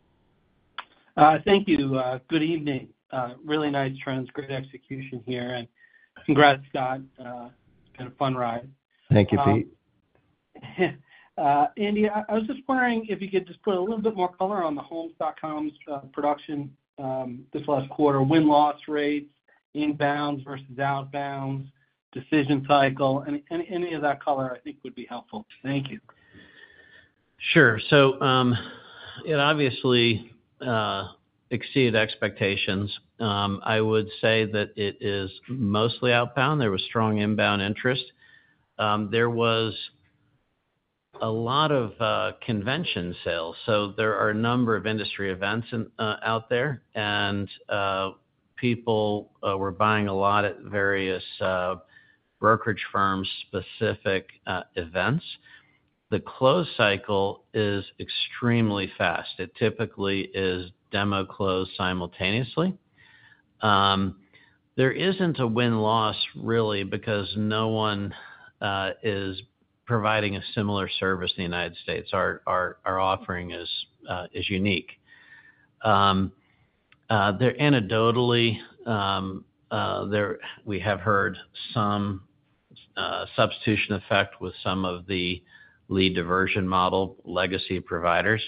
Thank you. Good evening. Really nice trends, great execution here, and congrats, Scott, it's been a fun ride. Thank you, Pete. Andy, I was just wondering if you could just put a little bit more color on the Homes.com production this last quarter, win-loss rates, inbounds versus outbounds, decision cycle, any of that color, I think, would be helpful. Thank you. Sure. It obviously exceeded expectations. I would say that it is mostly outbound. There was strong inbound interest. There was a lot of convention sales. So there are a number of industry events out there, and people were buying a lot at various brokerage firm-specific events. The close cycle is extremely fast. It typically is demo close simultaneously. There isn't a win-loss, really, because no one is providing a similar service in the United States. Our offering is unique. Anecdotally, we have heard some substitution effect with some of the lead diversion model legacy providers.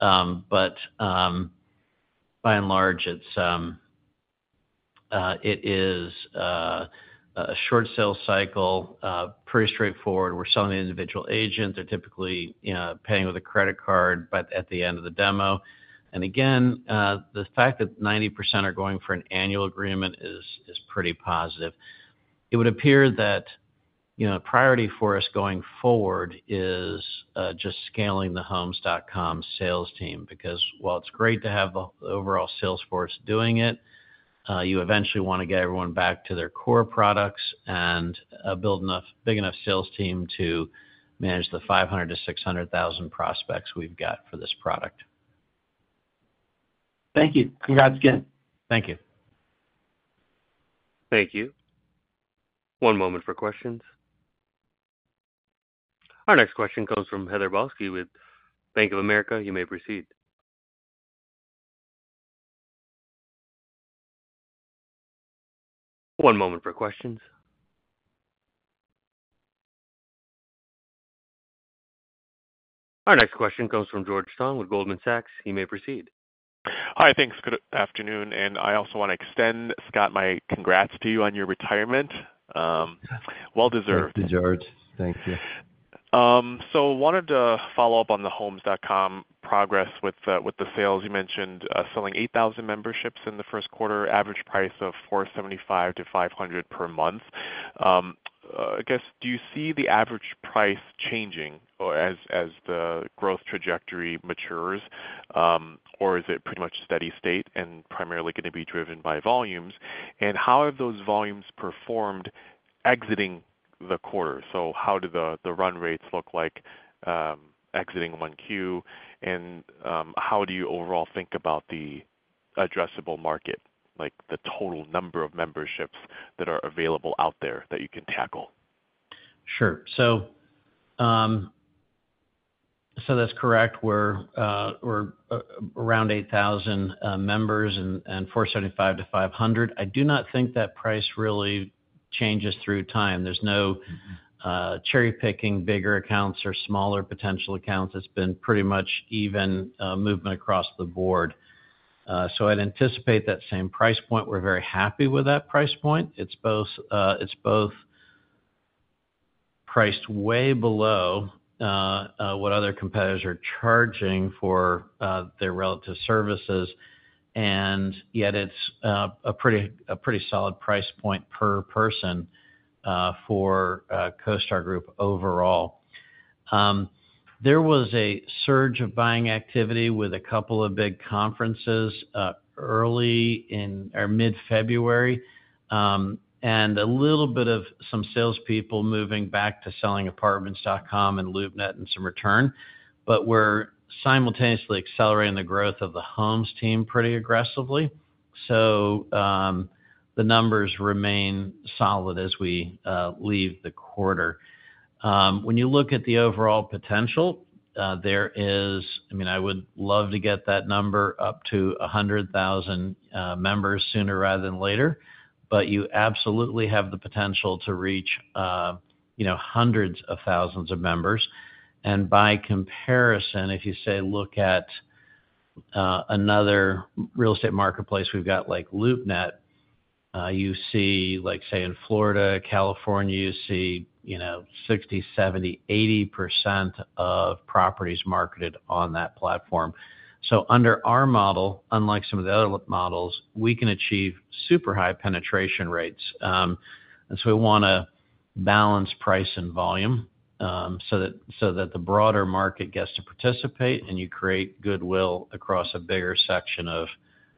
But by and large, it is a short sales cycle, pretty straightforward. We're selling the individual agents. They're typically, you know, paying with a credit card, but at the end of the demo. And again, the fact that 90% are going for an annual agreement is, is pretty positive. It would appear that, you know, priority for us going forward is just scaling the Homes.com sales team, because while it's great to have the overall sales force doing it, you eventually wanna get everyone back to their core products and build enough- big enough sales team to manage the 500,000-600,000 prospects we've got for this product. Thank you. Congrats again. Thank you. Thank you. One moment for questions. Our next question comes from Heather Balsky with Bank of America. You may proceed. One moment for questions. Our next question comes from George Tong with Goldman Sachs. He may proceed. Hi, thanks. Good afternoon, and I also wanna extend, Scott, my congrats to you on your retirement. Well deserved. Thank you, George. Thank you. So wanted to follow up on the Homes.com progress with the sales. You mentioned selling 8,000 memberships in the first quarter, average price of $475-$500 per month. I guess, do you see the average price changing or as the growth trajectory matures, or is it pretty much steady state and primarily gonna be driven by volumes? And how have those volumes performed exiting the quarter? So how do the run rates look like exiting 1Q, and how do you overall think about the addressable market, like, the total number of memberships that are available out there that you can tackle? Sure. So, so that's correct. We're, we're around 8,000 members and $475-$500. I do not think that price really changes through time. There's no cherry-picking bigger accounts or smaller potential accounts. It's been pretty much even movement across the board. So I'd anticipate that same price point. We're very happy with that price point. It's both, it's both priced way below what other competitors are charging for their relative services, and yet it's a pretty, a pretty solid price point per person for CoStar Group overall. There was a surge of buying activity with a couple of big conferences early in or mid-February, and a little bit of some salespeople moving back to selling Apartments.com and LoopNet and some return, but we're simultaneously accelerating the growth of the Homes team pretty aggressively, so the numbers remain solid as we leave the quarter. When you look at the overall potential, there is, I mean, I would love to get that number up to 100,000 members sooner rather than later, but you absolutely have the potential to reach, you know, hundreds of thousands of members. And by comparison, if you, say, look at another real estate marketplace, we've got, like LoopNet, you see, like, say, in Florida, California, you see, you know, 60%, 70%, 80% of properties marketed on that platform. So under our model, unlike some of the other models, we can achieve super high penetration rates. And so we wanna balance price and volume, so that the broader market gets to participate, and you create goodwill across a bigger section of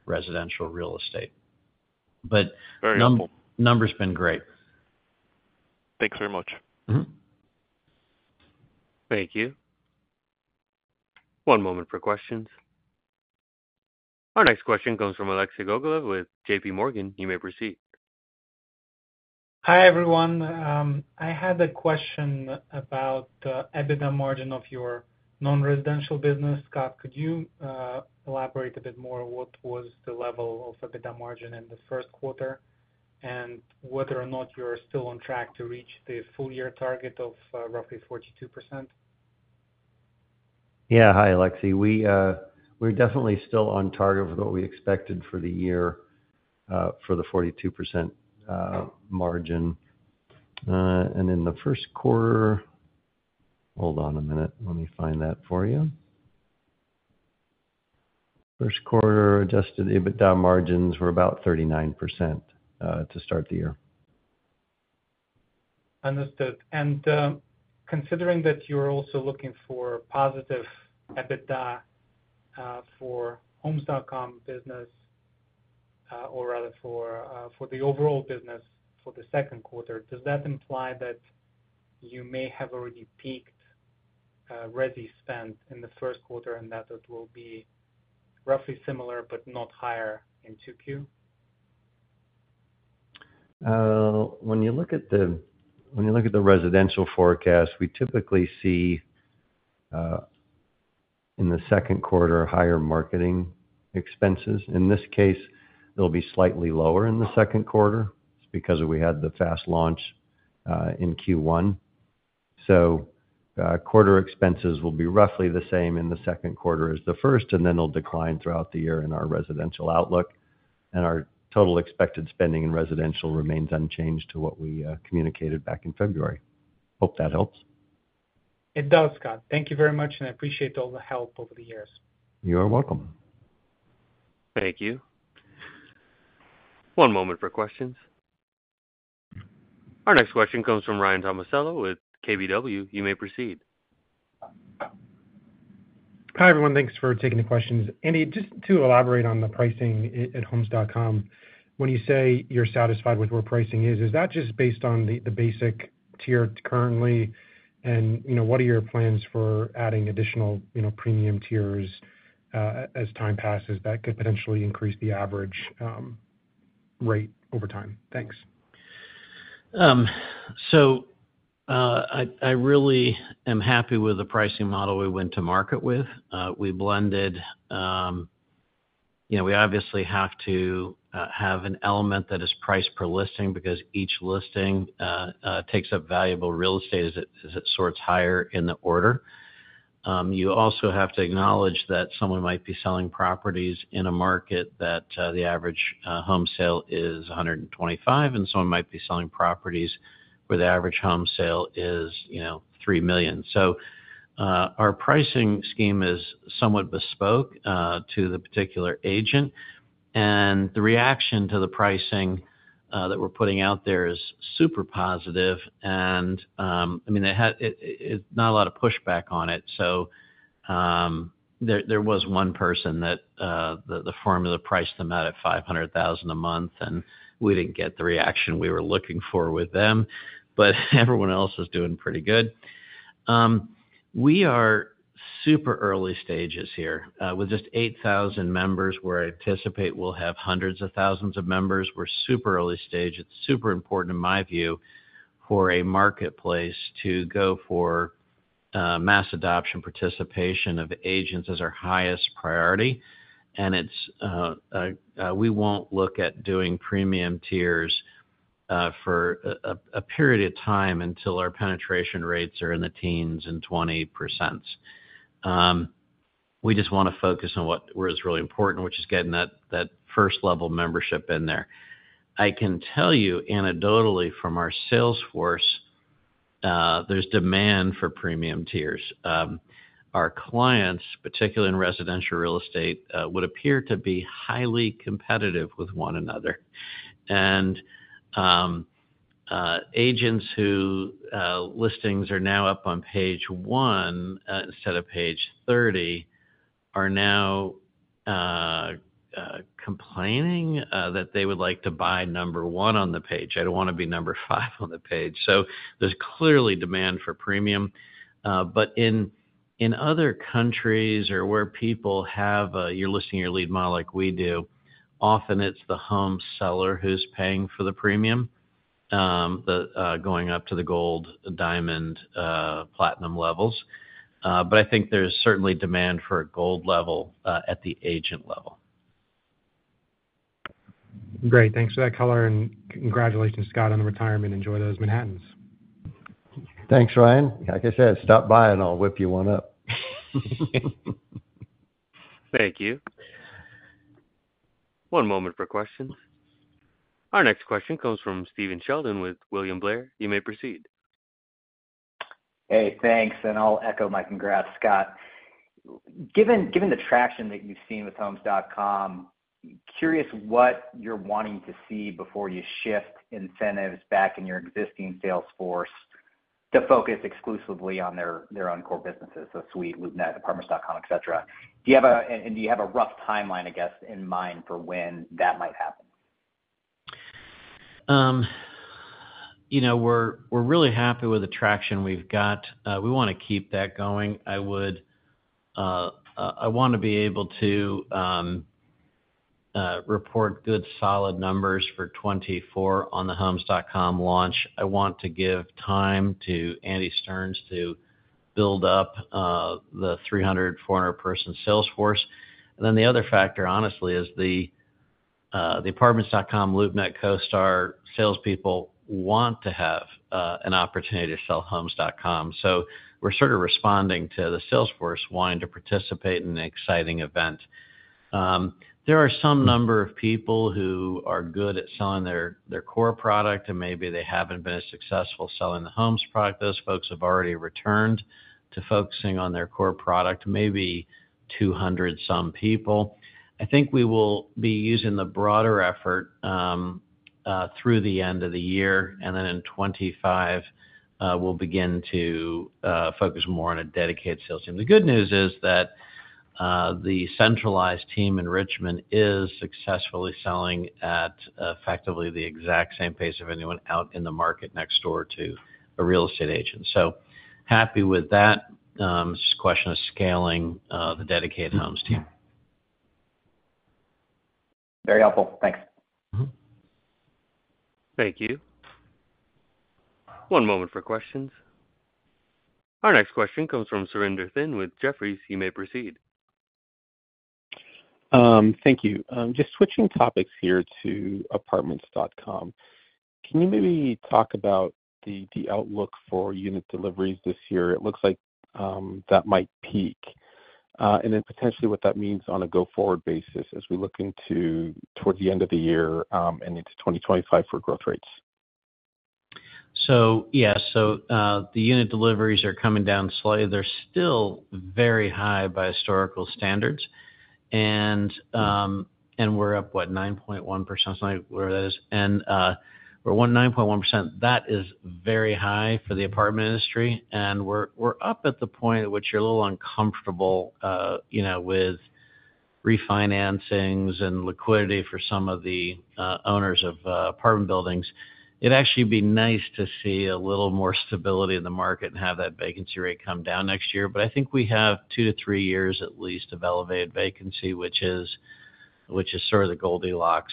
residential real estate. But- Very helpful. Number's been great. Thanks very much. Mm-hmm. Thank you. One moment for questions. Our next question comes from Alexei Gogolev with JP Morgan. You may proceed. Hi, everyone. I had a question about EBITDA margin of your non-residential business. Scott, could you elaborate a bit more, what was the level of EBITDA margin in the first quarter? And whether or not you're still on track to reach the full year target of roughly 42%? Yeah. Hi, Alexei. We, we're definitely still on target with what we expected for the year, for the 42% margin. In the first quarter, hold on a minute. Let me find that for you, first quarter Adjusted EBITDA margins were about 39%, to start the year. Understood. And, considering that you're also looking for positive EBITDA for Homes.com business, or rather for the overall business for the second quarter, does that imply that you may have already peaked resi spend in the first quarter, and that it will be roughly similar, but not higher in 2Q? When you look at the residential forecast, we typically see in the second quarter higher marketing expenses. In this case, it'll be slightly lower in the second quarter because we had the fast launch in Q1. So, quarter expenses will be roughly the same in the second quarter as the first, and then they'll decline throughout the year in our residential outlook. And our total expected spending in residential remains unchanged to what we communicated back in February. Hope that helps. It does, Scott. Thank you very much, and I appreciate all the help over the years. You are welcome. Thank you. One moment for questions. Our next question comes from Ryan Tomasello with KBW. You may proceed. Hi, everyone. Thanks for taking the questions. Andy, just to elaborate on the pricing at Homes.com, when you say you're satisfied with where pricing is, is that just based on the basic tier currently? And you know, what are your plans for adding additional premium tiers as time passes that could potentially increase the average rate over time? Thanks. So, I really am happy with the pricing model we went to market with. We blended, you know, we obviously have to have an element that is priced per listing because each listing takes up valuable real estate as it sorts higher in the order. You also have to acknowledge that someone might be selling properties in a market that the average home sale is $125, and someone might be selling properties where the average home sale is, you know, $3 million. So, our pricing scheme is somewhat bespoke to the particular agent, and the reaction to the pricing that we're putting out there is super positive. I mean, not a lot of pushback on it. There was one person that the formula priced them out at $500,000 a month, and we didn't get the reaction we were looking for with them, but everyone else is doing pretty good. We are super early stages here. With just 8,000 members, we're anticipate we'll have hundreds of thousands of members. We're super early stage. It's super important, in my view, for a marketplace to go for mass adoption, participation of agents as our highest priority. And it's we won't look at doing premium tiers for a period of time until our penetration rates are in the teens and 20%. We just wanna focus on where is really important, which is getting that first-level membership in there. I can tell you anecdotally from our sales force, there's demand for premium tiers. Our clients, particularly in residential real estate, would appear to be highly competitive with one another. Agents who listings are now up on page one, instead of page 30, are now complaining that they would like to buy number one on the page. "I don't wanna be number five on the page." So there's clearly demand for premium. But in other countries or where people have your listing, your lead model like we do, often it's the home seller who's paying for the premium, the going up to the gold, diamond, platinum levels. But I think there's certainly demand for a gold level at the agent level. Great. Thanks for that color, and congratulations, Scott, on the retirement. Enjoy those Manhattans. Thanks, Ryan. Like I said, stop by and I'll whip you one up. Thank you. One moment for questions. Our next question comes from Stephen Sheldon with William Blair. You may proceed. Hey, thanks, and I'll echo my congrats, Scott. Given the traction that you've seen with Homes.com, curious what you're wanting to see before you shift incentives back in your existing sales force to focus exclusively on their own core businesses, so the Suite, LoopNet, Apartments.com, et cetera. Do you have and do you have a rough timeline, I guess, in mind for when that might happen? You know, we're really happy with the traction we've got. We wanna keep that going. I want to be able to report good, solid numbers for 2024 on the Homes.com launch. I want to give time to Andy Stearns to build up the 300-400 person sales force. Then the other factor, honestly, is the Apartments.com, LoopNet, CoStar salespeople want to have an opportunity to sell Homes.com. So we're sort of responding to the sales force wanting to participate in an exciting event. There are some number of people who are good at selling their core product, and maybe they haven't been as successful selling the Homes product. Those folks have already returned to focusing on their core product, maybe 200-some people. I think we will be using the broader effort, through the end of the year, and then in 2025, we'll begin to focus more on a dedicated sales team. The good news is that the centralized team in Richmond is successfully selling at effectively the exact same pace of anyone out in the market next door to a real estate agent. So happy with that, it's just a question of scaling the dedicated Homes team. Very helpful. Thanks. Mm-hmm. Thank you. One moment for questions. Our next question comes from Surinder Thind with Jefferies. You may proceed. Thank you. Just switching topics here to Apartments.com. Can you maybe talk about the, the outlook for unit deliveries this year? It looks like that might peak, and then potentially what that means on a go-forward basis as we look into toward the end of the year, and into 2025 for growth rates. Yes. The unit deliveries are coming down slightly. They're still very high by historical standards. And we're up, what? 9.1%, something where it is. And we're nine point one percent, that is very high for the apartment industry, and we're up at the point at which you're a little uncomfortable, you know, with refinancings and liquidity for some of the owners of apartment buildings. It'd actually be nice to see a little more stability in the market and have that vacancy rate come down next year. But I think we have two to three years, at least, of elevated vacancy, which is sort of the Goldilocks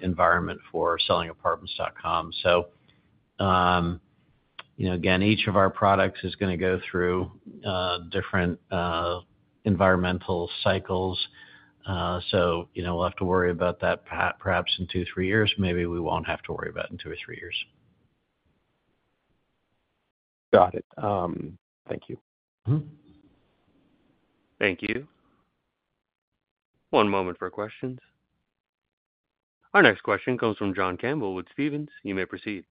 environment for selling Apartments.com. So you know, again, each of our products is gonna go through different environmental cycles. So, you know, we'll have to worry about that perhaps in two, three years. Maybe we won't have to worry about in two or three years. Got it. Thank you. Mm-hmm. Thank you. One moment for questions. Our next question comes from John Campbell with Stephens. You may proceed.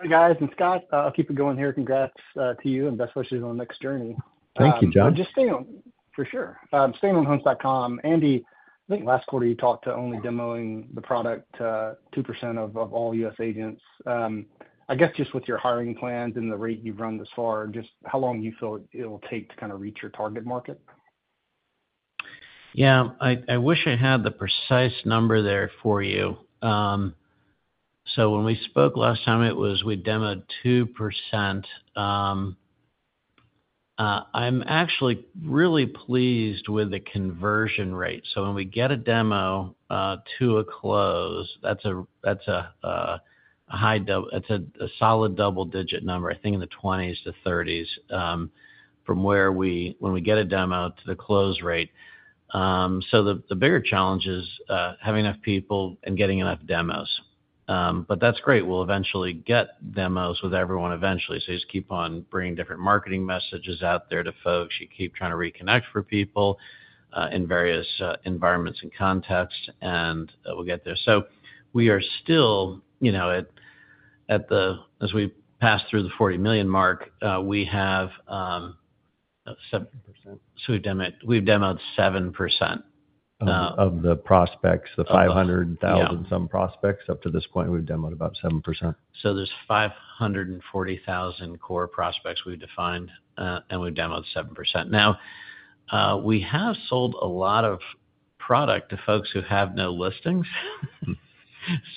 Hi, guys, and Scott, keep it going here. Congrats to you, and best wishes on the next journey. Thank you, John. Just staying on Homes.com, Andy, I think last quarter you talked about only demoing the product to 2% of all U.S. agents. I guess, just with your hiring plans and the rate you've run thus far, just how long do you feel it'll take to kinda reach your target market? Yeah, I wish I had the precise number there for you. So when we spoke last time, it was we demoed 2%. I'm actually really pleased with the conversion rate. So when we get a demo to a close, that's a high double-digit number, I think, in the 20s-30s, from when we get a demo to the close rate. So the bigger challenge is having enough people and getting enough demos. But that's great. We'll eventually get demos with everyone eventually. So you just keep on bringing different marketing messages out there to folks. You keep trying to reconnect for people in various environments and contexts, and we'll get there. So we are still, you know, at the, as we pass through the 40 million mark, we have 7%. So we've demoed 7% of the prospects. The 500,000-some prospects up to this point, we've demoed about 7%. So there's 540,000 core prospects we've defined, and we've demoed 7%. Now, we have sold a lot of product to folks who have no listings.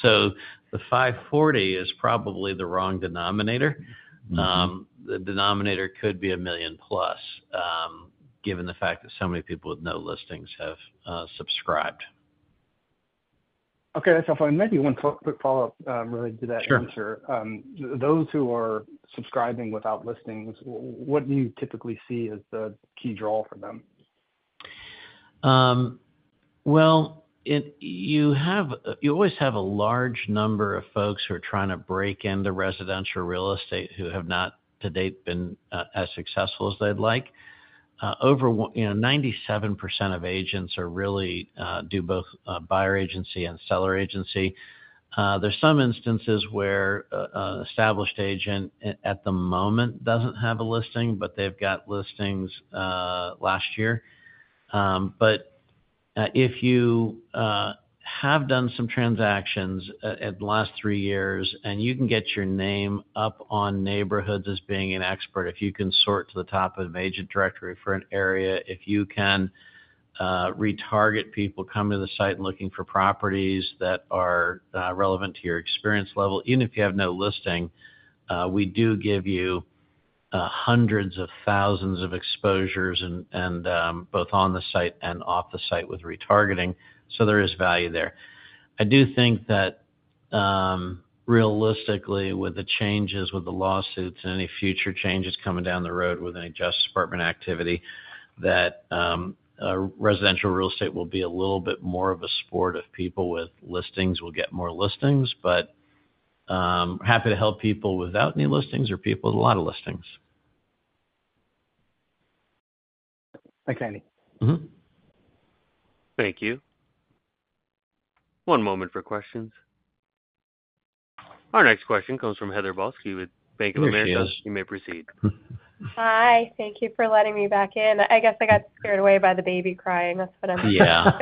So the 540 is probably the wrong denominator. Mm-hmm. The denominator could be 1 million+, given the fact that so many people with no listings have subscribed. Okay, that's all fine. Maybe one quick follow-up related to that sure answer, those who are subscribing without listings, what do you typically see as the key draw for them? Well, you always have a large number of folks who are trying to break into residential real estate, who have not, to date, been as successful as they'd like. You know, 97% of agents really do both buyer agency and seller agency. There's some instances where an established agent at the moment doesn't have a listing, but they've got listings last year. But if you have done some transactions at the last three years, and you can get your name up on neighborhoods as being an expert, if you can sort to the top of an agent directory for an area, if you can retarget people coming to the site and looking for properties that are relevant to your experience level, even if you have no listing, we do give you hundreds of thousands of exposures and both on the site and off the site with retargeting. So there is value there. I do think that, realistically, with the changes, with the lawsuits and any future changes coming down the road with any Justice Department activity, that a residential real estate will be a little bit more of a sport of people with listings, will get more listings. But happy to help people without any listings or people with a lot of listings. Thanks, Andy. Mm-hmm. Thank you. One moment for questions. Our next question comes from Heather Balsky with Bank of America. You may proceed. Hi. Thank you for letting me back in. I guess I got scared away by the baby crying. That's what I'm- Yeah.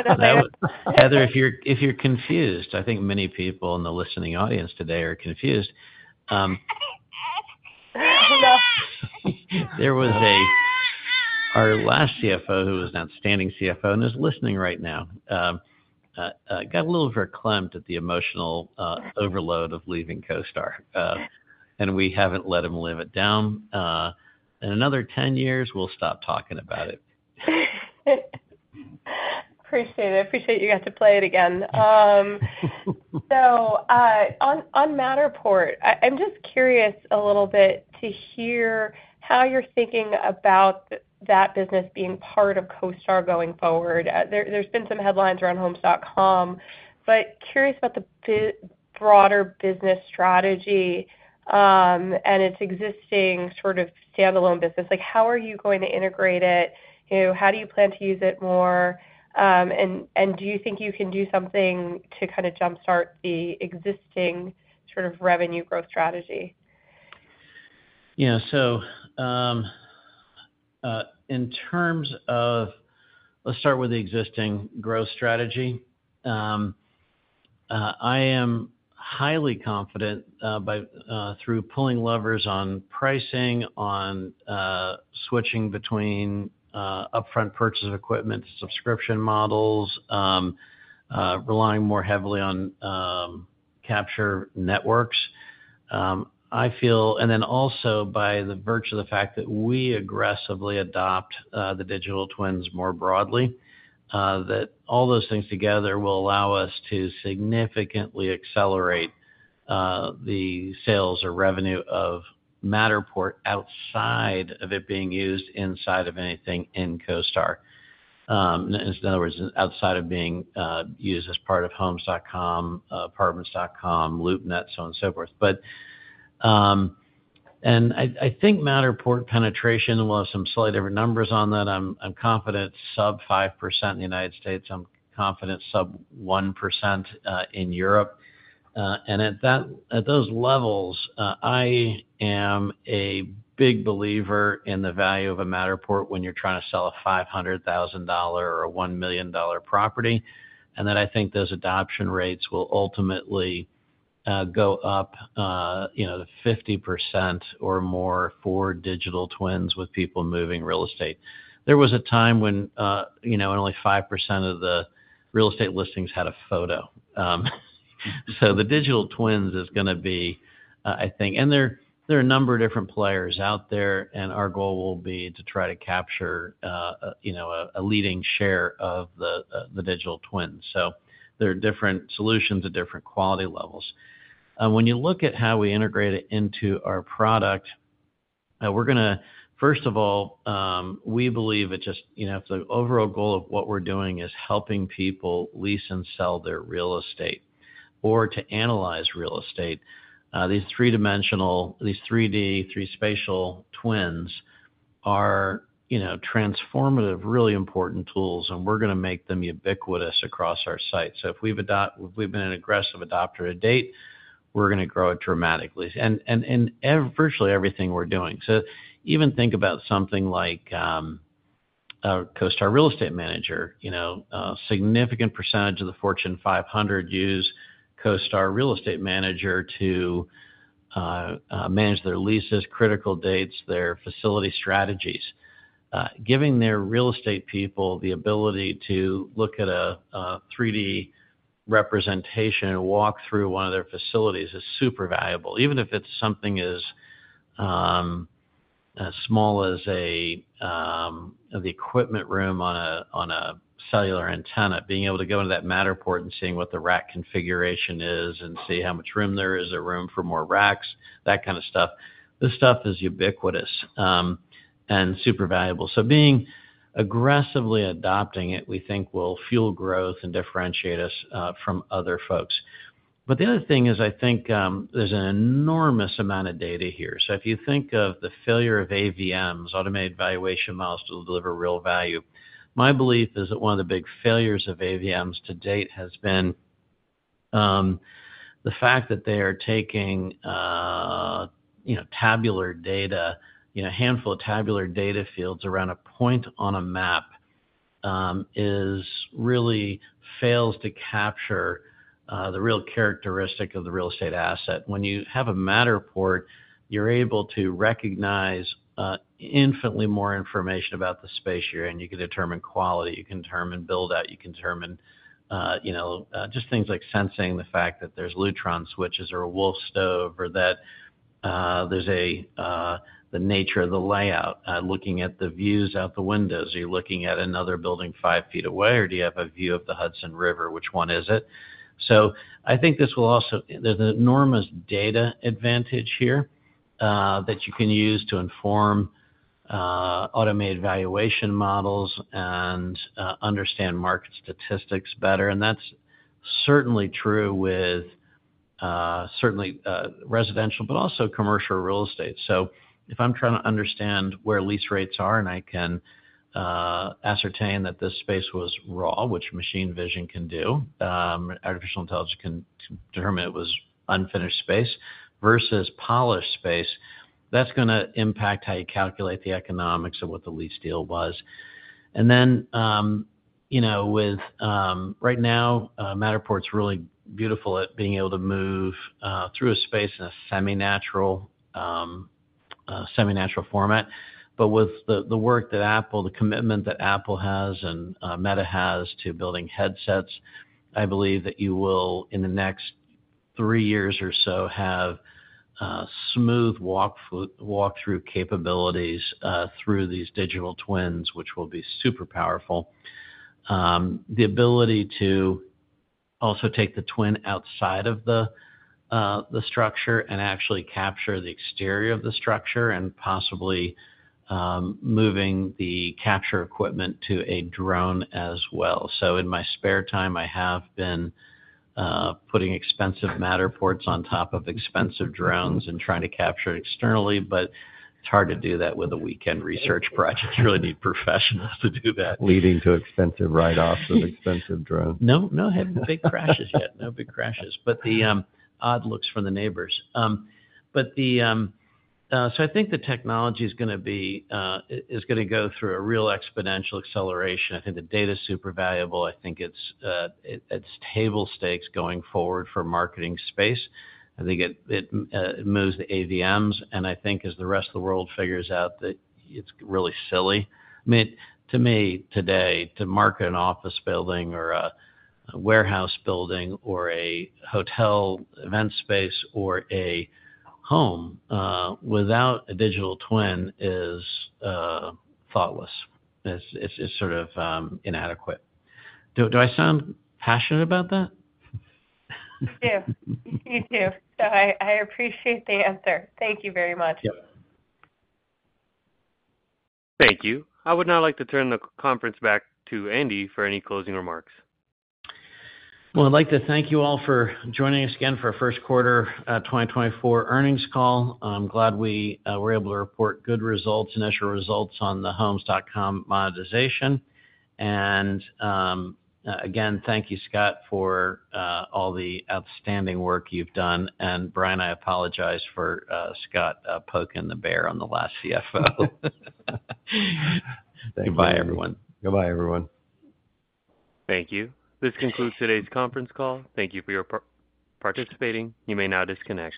Heather, if you're confused, I think many people in the listening audience today are confused. Hello. Our last CFO, who was an outstanding CFO, and is listening right now, got a little verklempt at the emotional overload of leaving CoStar, and we haven't let him live it down. In another 10 years, we'll stop talking about it. Appreciate it. I appreciate you got to play it again. So, on Matterport, I'm just curious a little bit to hear how you're thinking about that business being part of CoStar going forward. There's been some headlines around Homes.com, but curious about the broader business strategy, and its existing sort of standalone business. Like, how are you going to integrate it? You know, how do you plan to use it more? And do you think you can do something to kind of jumpstart the existing sort of revenue growth strategy? Yeah. So, in terms of, let's start with the existing growth strategy. I am highly confident, by, through pulling levers on pricing, on, switching between, upfront purchase of equipment, subscription models, relying more heavily on, capture networks. I feel, and then also, by the virtue of the fact that we aggressively adopt the digital twins more broadly, that all those things together will allow us to significantly accelerate, the sales or revenue of Matterport outside of it being used inside of anything in CoStar. In other words, outside of being, used as part of Homes.com, Apartments.com, LoopNet, so on and so forth. But, and I think Matterport penetration, while some slightly different numbers on that, I'm confident sub 5% in the United States, I'm confident sub 1% in Europe. And at those levels, I am a big believer in the value of a Matterport when you're trying to sell a $500,000 or $1 million property. And then, I think those adoption rates will ultimately go up, you know, to 50% digital twins with people moving real estate. There was a time when, you know, only 5% of the real estate listings had a photo. digital twins is gonna be, I think, and there are a number of different players out there, and our goal will be to try to capture, you know, a leading digital twins. so there are different solutions at different quality levels. When you look at how we integrate it into our product, we're gonna, first of all, we believe it just, you know, if the overall goal of what we're doing is helping people lease and sell their real estate or to analyze real estate, these three-dimensional, these 3D, three spatial twins are, you know, transformative, really important tools, and we're gonna make them ubiquitous across our site. So if we've been an aggressive adopter to date, we're gonna grow it dramatically and virtually everything we're doing. So even think about something like our CoStar Real Estate Manager. You know, a significant percentage of the Fortune 500 use CoStar Real Estate Manager to manage their leases, critical dates, their facility strategies. Giving their real estate people the ability to look at a 3D representation and walk through one of their facilities is super valuable, even if it's something as small as the equipment room on a cellular antenna. Being able to go into that Matterport and seeing what the rack configuration is and see how much room there is, room for more racks, that kind of stuff. This stuff is ubiquitous and super valuable. So being aggressively adopting it, we think will fuel growth and differentiate us from other folks. But the other thing is, I think, there's an enormous amount of data here. So if you think of the failure of AVMs, automated valuation models, to deliver real value, my belief is that one of the big failures of AVMs to date has been the fact that they are taking, you know, tabular data, you know, a handful of tabular data fields around a point on a map, it really fails to capture the real characteristic of the real estate asset. When you have a Matterport, you're able to recognize infinitely more information about the space you're in. You can determine quality, you can determine build out, you can determine, you know, just things like sensing the fact that there's Lutron switches or a Wolf stove, or that there's a the nature of the layout. Looking at the views out the windows, are you looking at another building five feet away, or do you have a view of the Hudson River? Which one is it? I think this will also. There's an enormous data advantage here, that you can use to inform automated valuation models and understand market statistics better. And that's certainly true with residential, but also commercial real estate. So if I'm trying to understand where lease rates are, and I can ascertain that this space was raw, which machine vision can do, artificial intelligence can determine it was unfinished space versus polished space, that's gonna impact how you calculate the economics of what the lease deal was. You know, with right now, Matterport's really beautiful at being able to move through a space in a semi-natural, semi-natural format. But with the, the work that Apple, the commitment that Apple has and, Meta has to building headsets, I believe that you will, in the next three years or so, have, smooth walkthrough digital twins, which will be super powerful. The ability to also take the twin outside of the, the structure and actually capture the exterior of the structure and possibly, moving the capture equipment to a drone as well. So in my spare time, I have been, putting expensive Matterports on top of expensive drones and trying to capture it externally, but it's hard to do that with a weekend research project. You really need professionals to do that. Leading to expensive write-offs of expensive drones. No, no have big crashes yet. No big crashes, but the odd looks from the neighbors. But so I think the technology is gonna be, is gonna go through a real exponential acceleration. I think the data is super valuable. I think it's, it's table stakes going forward for marketing space. I think it, it, moves the AVMs, and I think as the rest of the world figures out that it's really silly. I mean, to me, today, to market an office building or a warehouse building or a hotel, event space, or a home, without digital twin is thoughtless. It's, it's sort of, inadequate. Do I sound passionate about that? You do. You do. So I appreciate the answer. Thank you very much. Yep. Thank you. I would now like to turn the conference back to Andy for any closing remarks. Well, I'd like to thank you all for joining us again for our first quarter, 2024 earnings call. I'm glad we were able to report good results, initial results on the Homes.com monetization. Again, thank you, Scott, for all the outstanding work you've done. Brian, I apologize for Scott poking the bear on the last CFO. Goodbye, everyone. Goodbye, everyone. Thank you. This concludes today's conference call. Thank you for your participating. You may now disconnect.